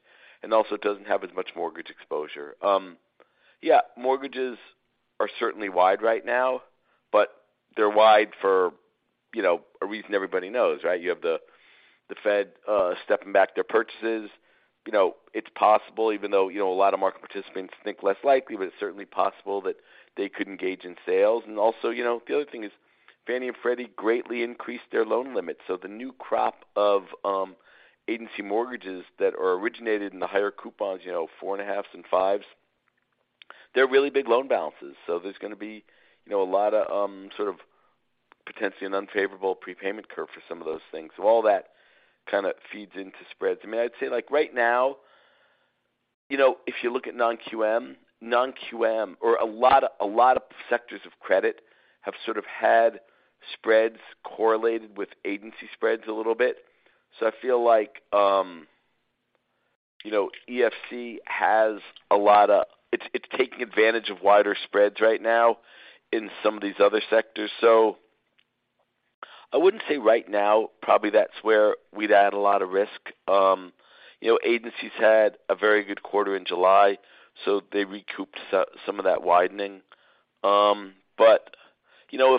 and also doesn't have as much mortgage exposure. Yeah, mortgages are certainly wide right now, but they're wide for, you know, a reason everybody knows, right? You have the Fed stepping back their purchases. You know, it's possible, even though, you know, a lot of market participants think less likely, but it's certainly possible that they could engage in sales. Also, you know, the other thing is Fannie and Freddie greatly increased their loan limits. The new crop of agency mortgages that are originated in the higher coupons, you know, 4.5s and 5s, they're really big loan balances. There's gonna be, you know, a lot of, sort of potentially an unfavorable prepayment curve for some of those things. All that kind of feeds into spreads. I mean, I'd say, like, right now, you know, if you look at non-QM or a lot of sectors of credit have sort of had spreads correlated with agency spreads a little bit. I feel like, you know, EFC has a lot of. It's taking advantage of wider spreads right now in some of these other sectors. I wouldn't say right now probably that's where we'd add a lot of risk. You know, agencies had a very good quarter in July, so they recouped some of that widening. You know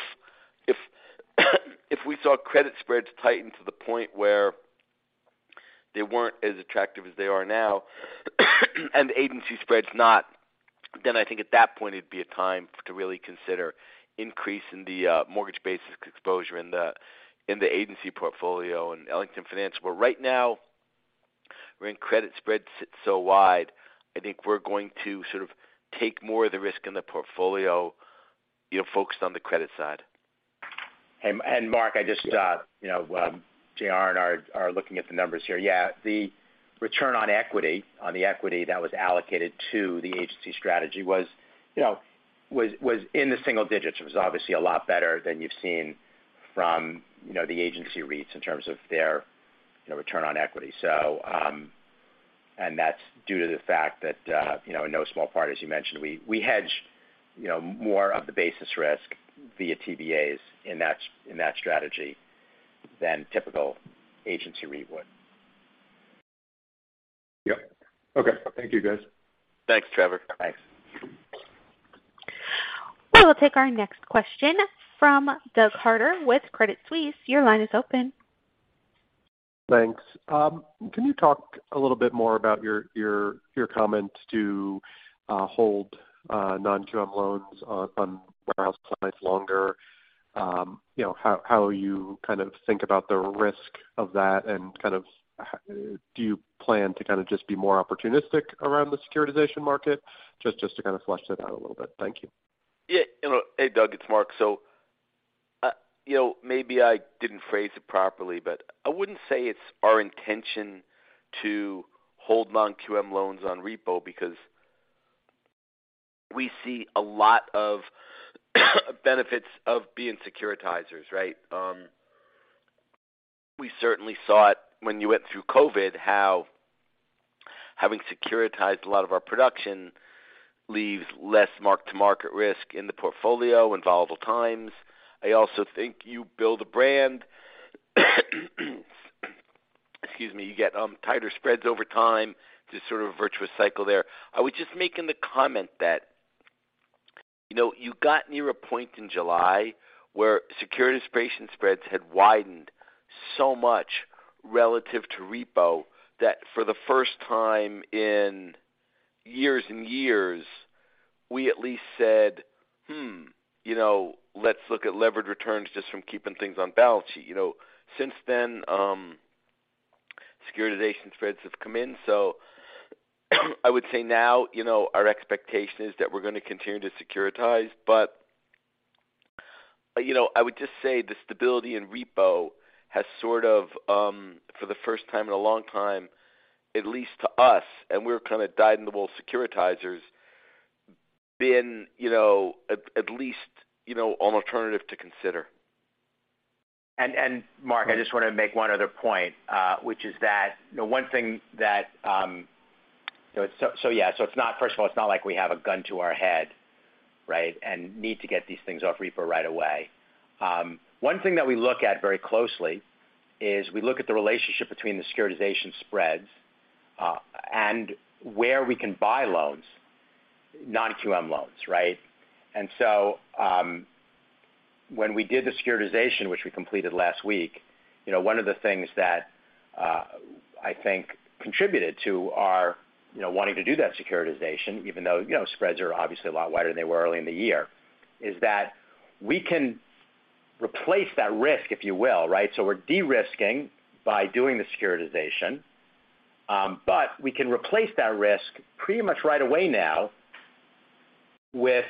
if we saw credit spreads tighten to the point where they weren't as attractive as they are now and agency spreads not, then I think at that point it'd be a time to really consider increasing the mortgage basis exposure in the agency portfolio in Ellington Financial. Right now, when credit spreads sit so wide, I think we're going to sort of take more of the risk in the portfolio, you know, focused on the credit side. Mark I just you know, JR and I are looking at the numbers here. Yeah, the return on equity on the equity that was allocated to the agency strategy was, you know, in the single digits. It was obviously a lot better than you've seen from, you know, the agency REITs in terms of their, you know, return on equity. That's due to the fact that, you know, in no small part, as you mentioned, we hedge, you know, more of the basis risk via TBAs in that strategy than typical agency REIT would. Yep okay. Thank you guys. Thanks Trevor. Thanks. We'll take our next question from Doug Harter with Credit Suisse. Your line is open. Thanks. Can you talk a little bit more about your comment to hold non-QM loans on warehouse clients longer? You know, how you kind of think about the risk of that and kind of do you plan to kind of just be more opportunistic around the securitization market? Just to kind of flesh that out a little bit. Thank you. Yeah. You know, hey, Doug, it's Mark. You know, maybe I didn't phrase it properly, but I wouldn't say it's our intention to hold non-QM loans on repo because we see a lot of benefits of being securitizers, right? We certainly saw it when you went through COVID, how having securitized a lot of our production leaves less mark-to-market risk in the portfolio in volatile times. I also think you build a brand. Excuse me. You get, tighter spreads over time. Just sort of a virtuous cycle there. I was just making the comment that, you know, you got near a point in July where securitization spreads had widened so much relative to repo that for the first time in years and years, we at least said, "Hmm, you know, let's look at levered returns just from keeping things on balance sheet." You know, since then, securitization spreads have come in. So I would say now, you know, our expectation is that we're gonna continue to securitize. But, you know, I would just say the stability in repo has sort of, for the first time in a long time, at least to us, and we're kind of dyed-in-the-wool securitizers, been, you know, at least, you know, an alternative to consider. Mark, I just wanna make one other point, which is that, you know, one thing that So yeah. It's not— First of all, it's not like we have a gun to our head, right? Need to get these things off repo right away. One thing that we look at very closely is the relationship between the securitization spreads and where we can buy loans, non-QM loans, right? When we did the securitization, which we completed last week, you know, one of the things that I think contributed to our wanting to do that securitization, even though spreads are obviously a lot wider than they were early in the year, is that we can replace that risk, if you will, right? We're de-risking by doing the securitization. we can replace that risk pretty much right away now with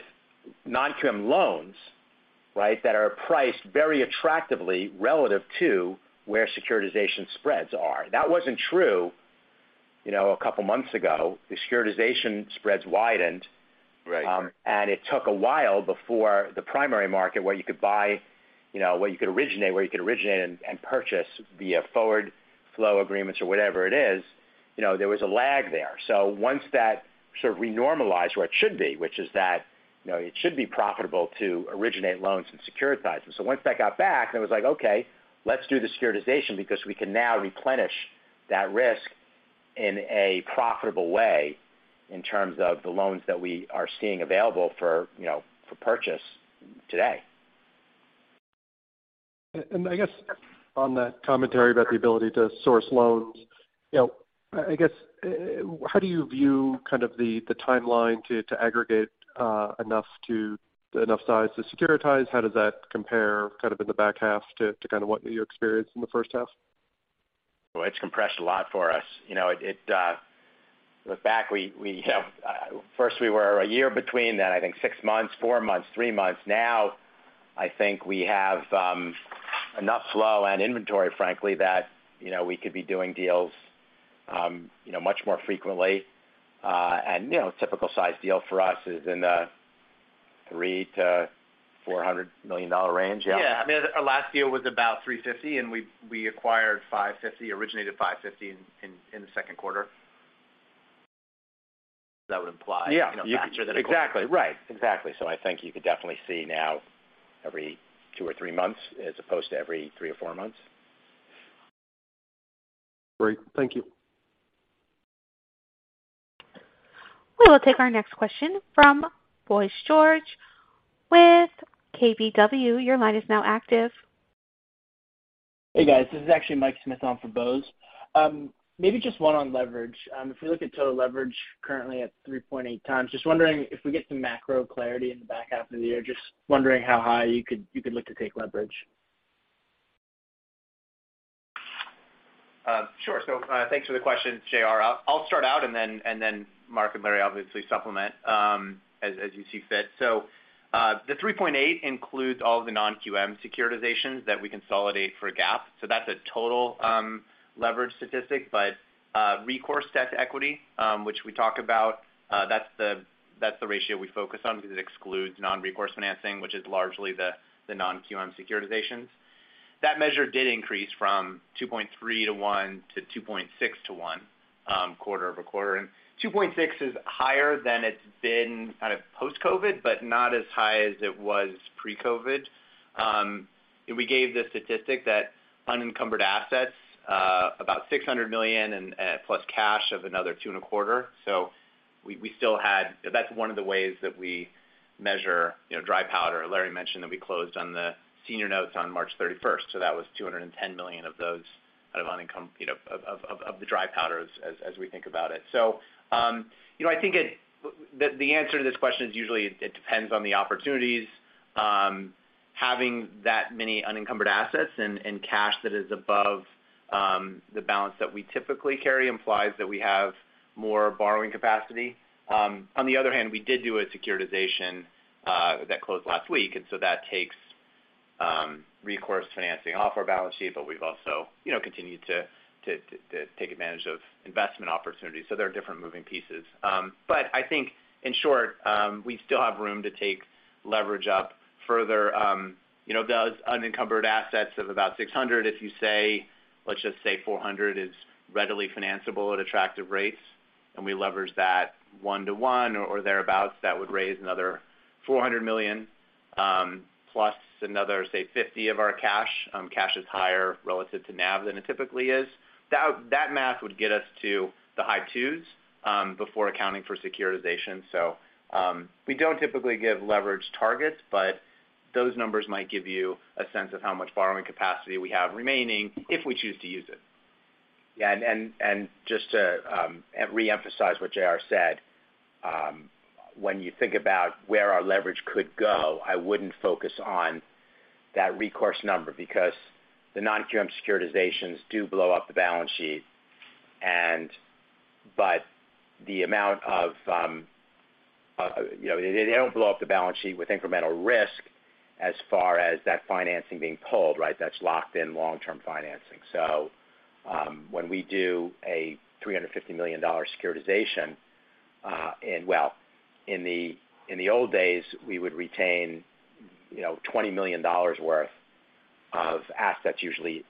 non-QM loans, right? That are priced very attractively relative to where securitization spreads are. That wasn't true, you know, a couple months ago. The securitization spreads widened. Right. It took a while before the primary market where you could buy, you know, where you could originate and purchase via forward flow agreements or whatever it is, you know, there was a lag there. Once that sort of renormalized where it should be, which is that, you know, it should be profitable to originate loans and securitize them. Once that got back, then it was like, okay, let's do the securitization because we can now replenish that risk in a profitable way in terms of the loans that we are seeing available for, you know, for purchase today. I guess on that commentary about the ability to source loans, you know, I guess, how do you view kind of the timeline to aggregate enough size to securitize? How does that compare kind of in the back half to kind of what you experienced in the first half? Well, it's compressed a lot for us. You know, it. Look back, we, you know, first we were a year between, then, I think, 6 months, 4 months, 3 months. Now, I think we have enough flow and inventory, frankly, that, you know, we could be doing deals, you know, much more frequently. You know, a typical size deal for us is in the $300 million-$400 million range. Yeah. I mean, our last deal was about $350, and we acquired $550, originated $550 in the second quarter. That would imply. Yeah. You could You know, faster than a. Exactly. Right. Exactly. I think you could definitely see now every two or three months as opposed to every three or four months. Great. Thank you. We will take our next question from Bose George with KBW. Your line is now active. Hey, guys. This is actually Mike Smith on for Bose George. Maybe just one on leverage. If we look at total leverage currently at 3.8x, just wondering if we get some macro clarity in the back half of the year, just wondering how high you could look to take leverage. Sure. Thanks for the question, JR. I'll start out and then Mark and Larry obviously supplement as you see fit. The 3.8 includes all the non-QM securitizations that we consolidate for GAAP, so that's a total leverage statistic. Recourse debt to equity, which we talk about, that's the ratio we focus on because it excludes non-recourse financing, which is largely the non-QM securitizations. That measure did increase from 2.3 to 1 to 2.6 to 1, quarter-over-quarter. 2.6 is higher than it's been kind of post-COVID, but not as high as it was pre-COVID. We gave the statistic that unencumbered assets about $600 million and plus cash of another $2.25 million. We still had. That's one of the ways that we measure, you know, dry powder. Larry mentioned that we closed on the senior notes on March 31st, so that was $210 million of those out of unencumbered, you know, of the dry powder as we think about it. The answer to this question is usually it depends on the opportunities. Having that many unencumbered assets and cash that is above the balance that we typically carry implies that we have more borrowing capacity. On the other hand, we did do a securitization that closed last week, and so that takes recourse financing off our balance sheet, but we've also, you know, continued to take advantage of investment opportunities. There are different moving pieces. I think in short, we still have room to take leverage up further. You know, those unencumbered assets of about $600 million, if you say, let's just say $400 million is readily financeable at attractive rates, and we leverage that 1-to-1 or thereabout, that would raise another $400+ million another, say, $50 million of our cash. Cash is higher relative to NAV than it typically is. That math would get us to the high 2s, before accounting for securitization. We don't typically give leverage targets, but those numbers might give you a sense of how much borrowing capacity we have remaining if we choose to use it. Yeah, just to re-emphasize what JR said, when you think about where our leverage could go, I wouldn't focus on that recourse number because the non-QM securitizations do blow up the balance sheet, but the amount of, you know, they don't blow up the balance sheet with incremental risk as far as that financing being pulled, right? That's locked in long-term financing. When we do a $350 million securitization, and well, in the old days, we would retain, you know, $20 million worth of assets usually,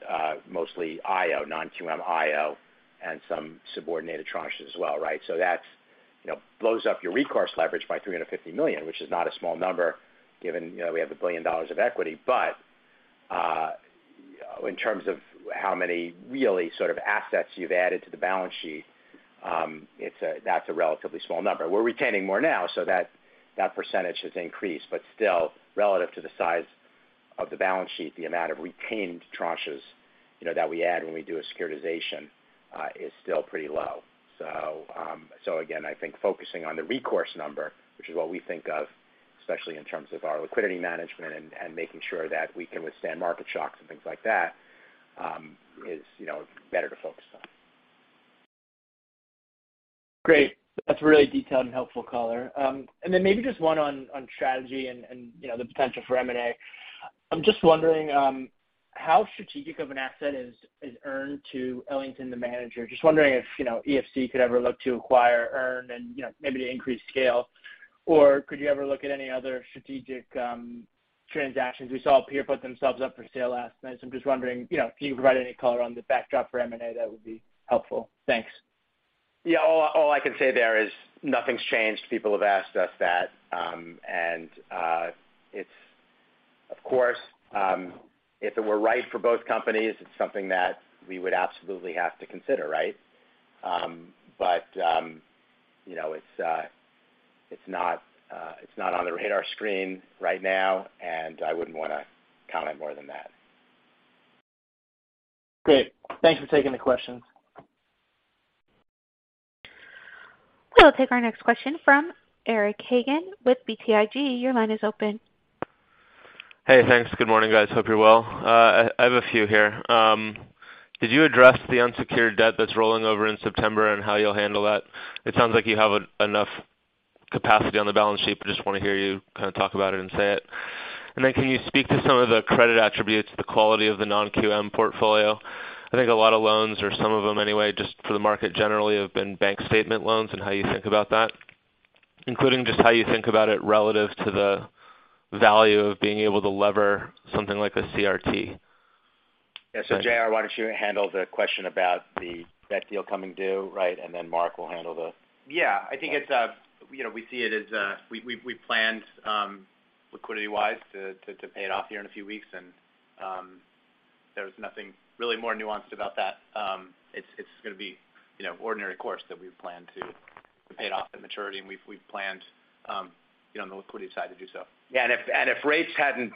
mostly IO, non-QM IO, and some subordinated tranches as well, right? That's, you know, blows up your recourse leverage by $350 million, which is not a small number given, you know, we have $1 billion of equity. In terms of how many really sort of assets you've added to the balance sheet, that's a relatively small number. We're retaining more now, so that percentage has increased, but still relative to the size of the balance sheet, the amount of retained tranches, you know, that we add when we do a securitization, is still pretty low. Again, I think focusing on the recourse number, which is what we think of, especially in terms of our liquidity management and making sure that we can withstand market shocks and things like that, is better to focus on. Great. That's a really detailed and helpful color. Maybe just one on strategy and, you know, the potential for M&A. I'm just wondering how strategic of an asset is EARN to Ellington, the manager. Just wondering if, you know, EFC could ever look to acquire EARN and, you know, maybe to increase scale. Could you ever look at any other strategic transactions? We saw PennyMac put themselves up for sale last night, so I'm just wondering, you know, if you could provide any color on the backdrop for M&A, that would be helpful. Thanks. Yeah. All I can say there is nothing's changed. People have asked us that, and it's, of course, if it were right for both companies, it's something that we would absolutely have to consider, right? You know, it's not on the radar screen right now, and I wouldn't wanna comment more than that. Great. Thanks for taking the questions. We'll take our next question from Eric Hagen with BTIG. Your line is open. Hey, thanks. Good morning, guys. Hope you're well. I have a few here. Did you address the unsecured debt that's rolling over in September and how you'll handle that? It sounds like you have enough capacity on the balance sheet. I just wanna hear you kinda talk about it and say it. Can you speak to some of the credit attributes, the quality of the non-QM portfolio? I think a lot of loans or some of them anyway, just for the market generally have been bank statement loans, and how you think about that, including just how you think about it relative to the value of being able to lever something like a CRT. Yeah. JR, why don't you handle the question about the debt deal coming due, right, and then Mark will handle the- Yeah. I think it's, you know, we see it as we've planned liquidity-wise to pay it off here in a few weeks, and there's nothing really more nuanced about that. It's gonna be, you know, ordinary course that we've planned to pay it off at maturity, and we've planned, you know, on the liquidity side to do so. Yeah. If rates hadn't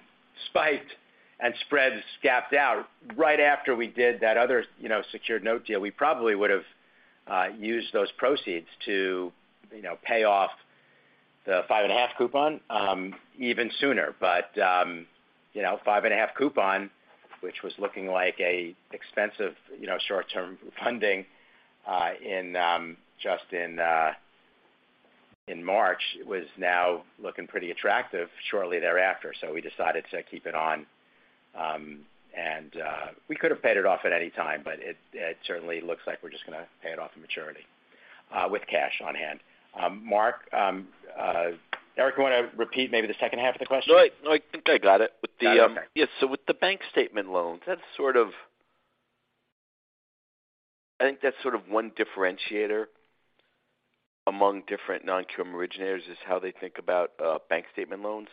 spiked and spreads gapped out right after we did that other, you know, secured note deal, we probably would've used those proceeds to, you know, pay off the 5.5 coupon even sooner. 5.5 coupon, which was looking like a expensive, you know, short-term funding in just March, was now looking pretty attractive shortly thereafter. We decided to keep it on. We could have paid it off at any time, but it certainly looks like we're just gonna pay it off at maturity with cash on hand. Mark, Eric, you wanna repeat maybe the second half of the question? No, I think I got it. Got it. Okay. Yeah. With the bank statement loans, that's sort of one differentiator among different non-QM originators, is how they think about bank statement loans.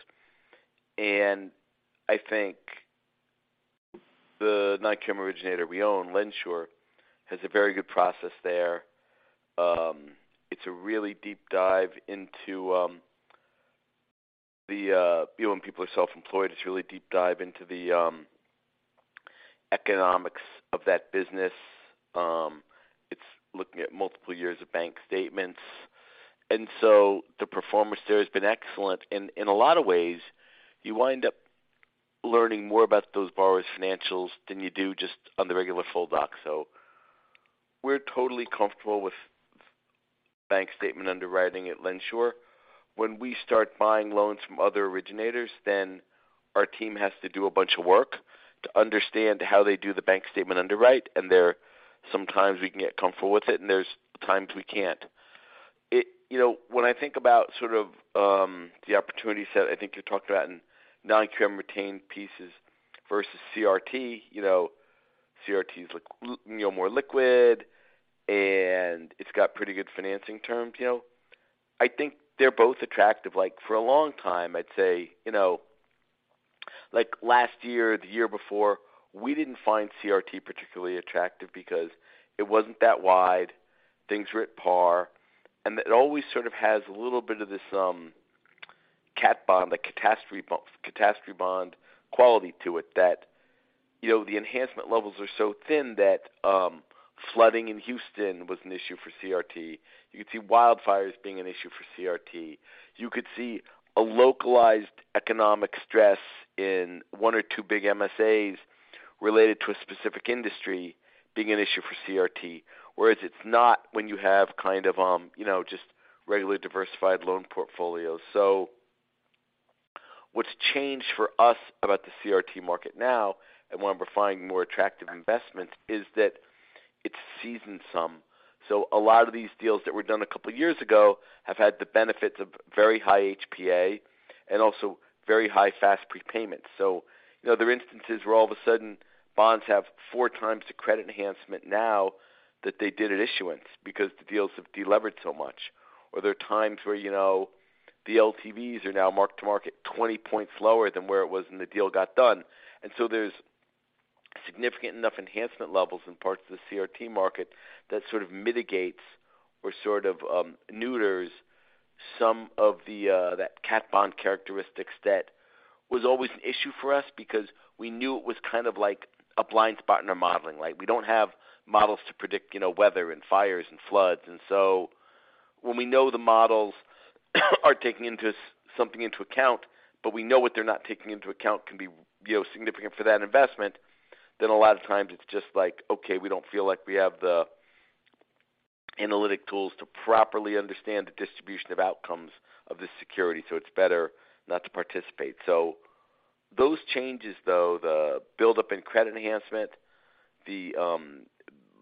I think the non-QM originator we own, LendSure, has a very good process there. It's a really deep dive into the you know, when people are self-employed, it's a really deep dive into the economics of that business. It's looking at multiple years of bank statements. The performance there has been excellent. In a lot of ways, you wind up learning more about those borrowers' financials than you do just on the regular full doc. We're totally comfortable with bank statement underwriting at LendSure. When we start buying loans from other originators, then our team has to do a bunch of work to understand how they do the bank statement underwrite. Sometimes we can get comfortable with it, and there's times we can't. You know, when I think about sort of, the opportunity set, I think you talked about in non-QM retained pieces versus CRT. You know, CRT is like, you know, more liquid, and it's got pretty good financing terms, you know. I think they're both attractive. Like, for a long time, I'd say, you know, like last year or the year before, we didn't find CRT particularly attractive because it wasn't that wide. Things were at par. It always sort of has a little bit of this catastrophe bond quality to it that, you know, the enhancement levels are so thin that flooding in Houston was an issue for CRT. You could see wildfires being an issue for CRT. You could see a localized economic stress in one or two big MSAs related to a specific industry being an issue for CRT. Whereas it's not when you have kind of, you know, just regularly diversified loan portfolios. What's changed for us about the CRT market now, and one we're finding more attractive investments is that it's seasoned some. A lot of these deals that were done a couple years ago have had the benefits of very high HPA and also very high fast prepayments. You know, there are instances where all of a sudden bonds have four times the credit enhancement now that they did at issuance because the deals have delevered so much. There are times where, you know, the LTVs are now mark-to-market 20 points lower than where it was when the deal got done. There's significant enough enhancement levels in parts of the CRT market that sort of mitigates or sort of, neuters some of the, that cat bond characteristics that was always an issue for us because we knew it was kind of like a blind spot in our modeling. Like, we don't have models to predict, you know, weather and fires and floods. When we know the models are taking into something into account, but we know what they're not taking into account can be, you know, significant for that investment, then a lot of times it's just like, okay, we don't feel like we have the analytic tools to properly understand the distribution of outcomes of this security, so it's better not to participate. Those changes though, the buildup in credit enhancement, the,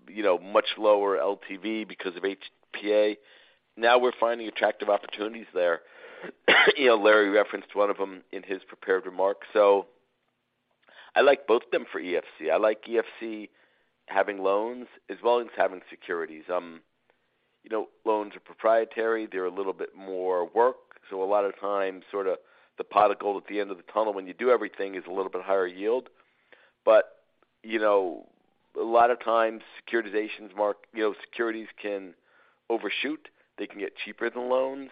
you know, much lower LTV because of HPA. Now we're finding attractive opportunities there. You know, Laurence referenced one of them in his prepared remarks. I like both of them for EFC. I like EFC having loans as well as having securities. You know, loans are proprietary. They're a little bit more work, so a lot of times sort of the pot of gold at the end of the tunnel when you do everything is a little bit higher yield. You know, a lot of times, you know, securities can overshoot. They can get cheaper than loans,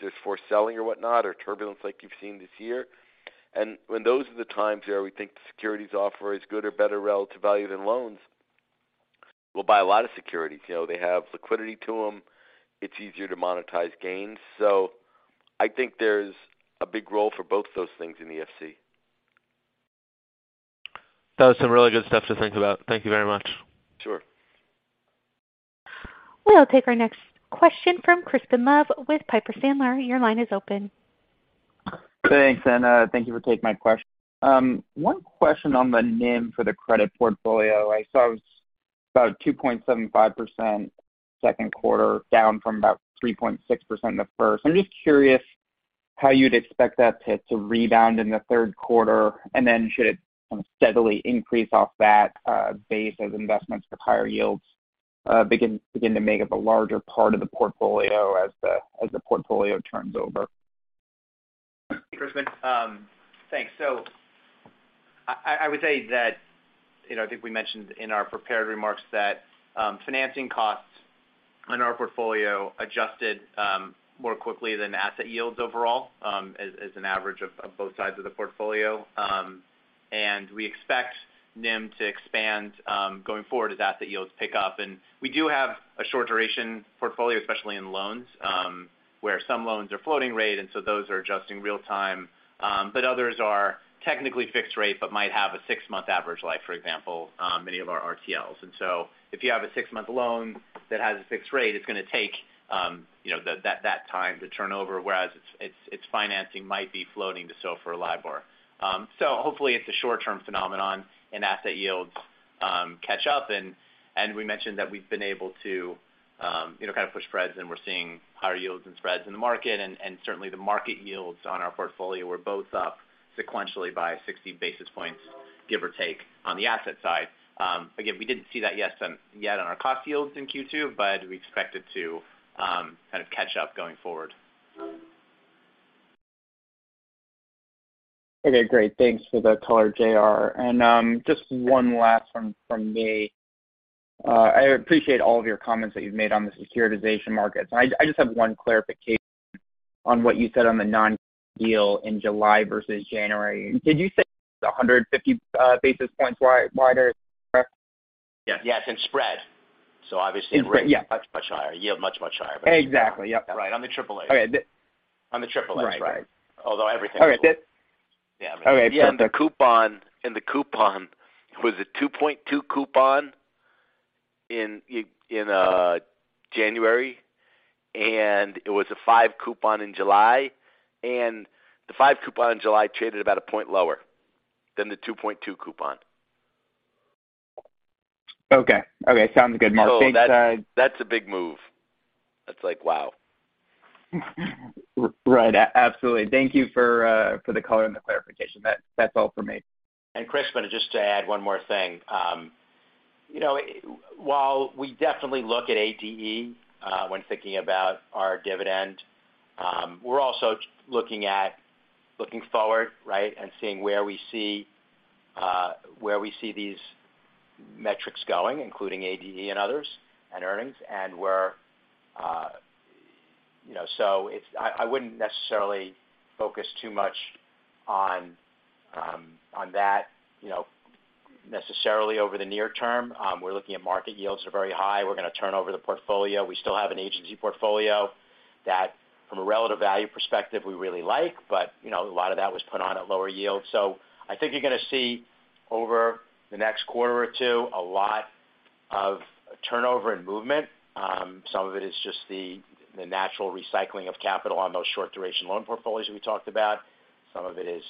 just for selling or whatnot, or turbulence like you've seen this year. When those are the times where we think the securities offer is good or better relative value than loans, we'll buy a lot of securities. You know, they have liquidity to them. It's easier to monetize gains. I think there's a big role for both those things in EFC. That was some really good stuff to think about. Thank you very much. Sure. We'll take our next question from Crispin Love with Piper Sandler. Your line is open. Thanks, thank you for taking my question. One question on the NIM for the credit portfolio. I saw it was about 2.75% second quarter, down from about 3.6% in the first. I'm just curious how you'd expect that to rebound in the third quarter, and then should it kind of steadily increase off that base as investments with higher yields begin to make up a larger part of the portfolio as the portfolio turns over. Crispin, thanks. I would say that, you know, I think we mentioned in our prepared remarks that, financing costs in our portfolio adjusted more quickly than asset yields overall, as an average of both sides of the portfolio. We expect NIM to expand, going forward as asset yields pick up. We do have a short duration portfolio, especially in loans, where some loans are floating rate, and so those are adjusting real-time. Others are technically fixed rate, but might have a six-month average life, for example, many of our RTLs. If you have a six-month loan that has a fixed rate, it's gonna take, you know, that time to turn over, whereas it's financing might be floating to SOFR or LIBOR. Hopefully it's a short-term phenomenon and asset yields catch up. We mentioned that we've been able to, you know, kind of push spreads, and we're seeing higher yields and spreads in the market. Certainly the market yields on our portfolio were both up sequentially by 60 basis points, give or take, on the asset side. Again, we didn't see that yet on our cost yields in Q2, but we expect it to kind of catch up going forward. Okay, great. Thanks for the color, JR. Just one last one from me. I appreciate all of your comments that you've made on the securitization markets. I just have one clarification on what you said on the non-QM deal in July versus January. Did you say 150 basis points wider? Yes. Yes, in spread. Obviously. Yeah. Much, much higher. Yield much, much higher. Exactly. Yep. Right. On the triple A. Okay. On the triple A. Right. Right. Although everything- All right. Yeah. All right. The coupon. In the coupon, it was a 2.2 coupon in January, and it was a 5 coupon in July. The 5 coupon in July traded about a point lower than the 2.2 coupon. Okay. Sounds good, Mark. Thanks. That's a big move. That's like, wow. Right. Absolutely. Thank you for the color and the clarification. That's all for me. Crispin, just to add one more thing. You know, while we definitely look at ADE when thinking about our dividend, we're also looking forward, right? And seeing where we see these metrics going, including ADE and others and earnings and where, you know. I wouldn't necessarily focus too much on that, you know, necessarily over the near term. We're looking at market yields are very high. We're gonna turn over the portfolio. We still have an agency portfolio that from a relative value perspective we really like, but you know, a lot of that was put on at lower yields. I think you're gonna see over the next quarter or two a lot of turnover and movement. Some of it is just the natural recycling of capital on those short duration loan portfolios we talked about. Some of it is,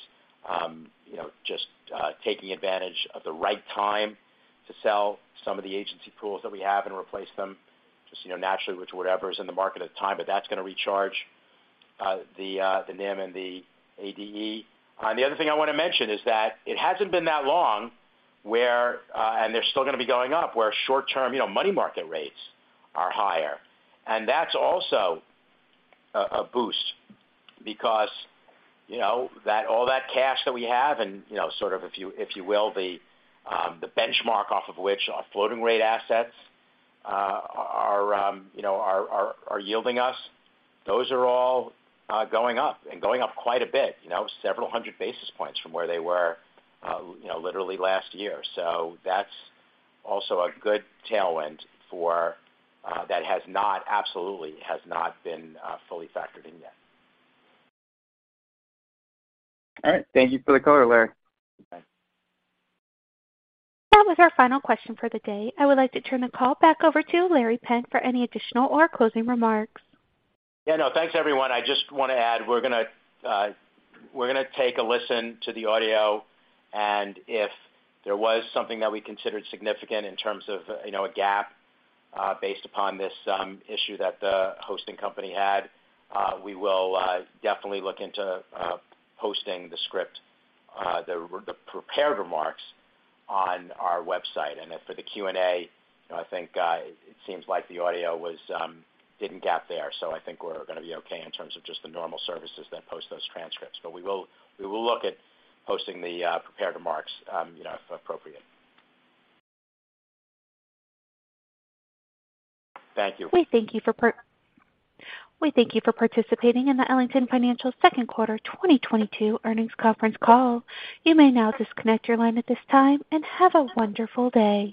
you know, just taking advantage of the right time to sell some of the agency pools that we have and replace them just, you know, naturally with whatever is in the market at the time. But that's gonna recharge the NIM and the ADE. The other thing I wanna mention is that it hasn't been that long where, and they're still gonna be going up, where short-term, you know, money market rates are higher. That's also a boost because, you know, that all that cash that we have and, you know, sort of if you will, the benchmark off of which our floating rate assets are yielding us, those are all going up and going up quite a bit. You know, several hundred basis points from where they were, you know, literally last year. That's also a good tailwind for that has not, absolutely has not been fully factored in yet. All right. Thank you for the color, Larry. Okay. That was our final question for the day. I would like to turn the call back over to Laurence Penn for any additional or closing remarks. Yeah, no. Thanks, everyone. I just wanna add, we're gonna take a listen to the audio, and if there was something that we considered significant in terms of, you know, a gap, based upon this issue that the hosting company had, we will definitely look into posting the transcript, the prepared remarks on our website. For the Q&A, you know, I think it seems like the audio didn't gap there. I think we're gonna be okay in terms of just the normal services that post those transcripts. We will look at posting the prepared remarks, you know, if appropriate. Thank you. We thank you for participating in the Ellington Financial second quarter 2022 earnings conference call. You may now disconnect your line at this time, and have a wonderful day.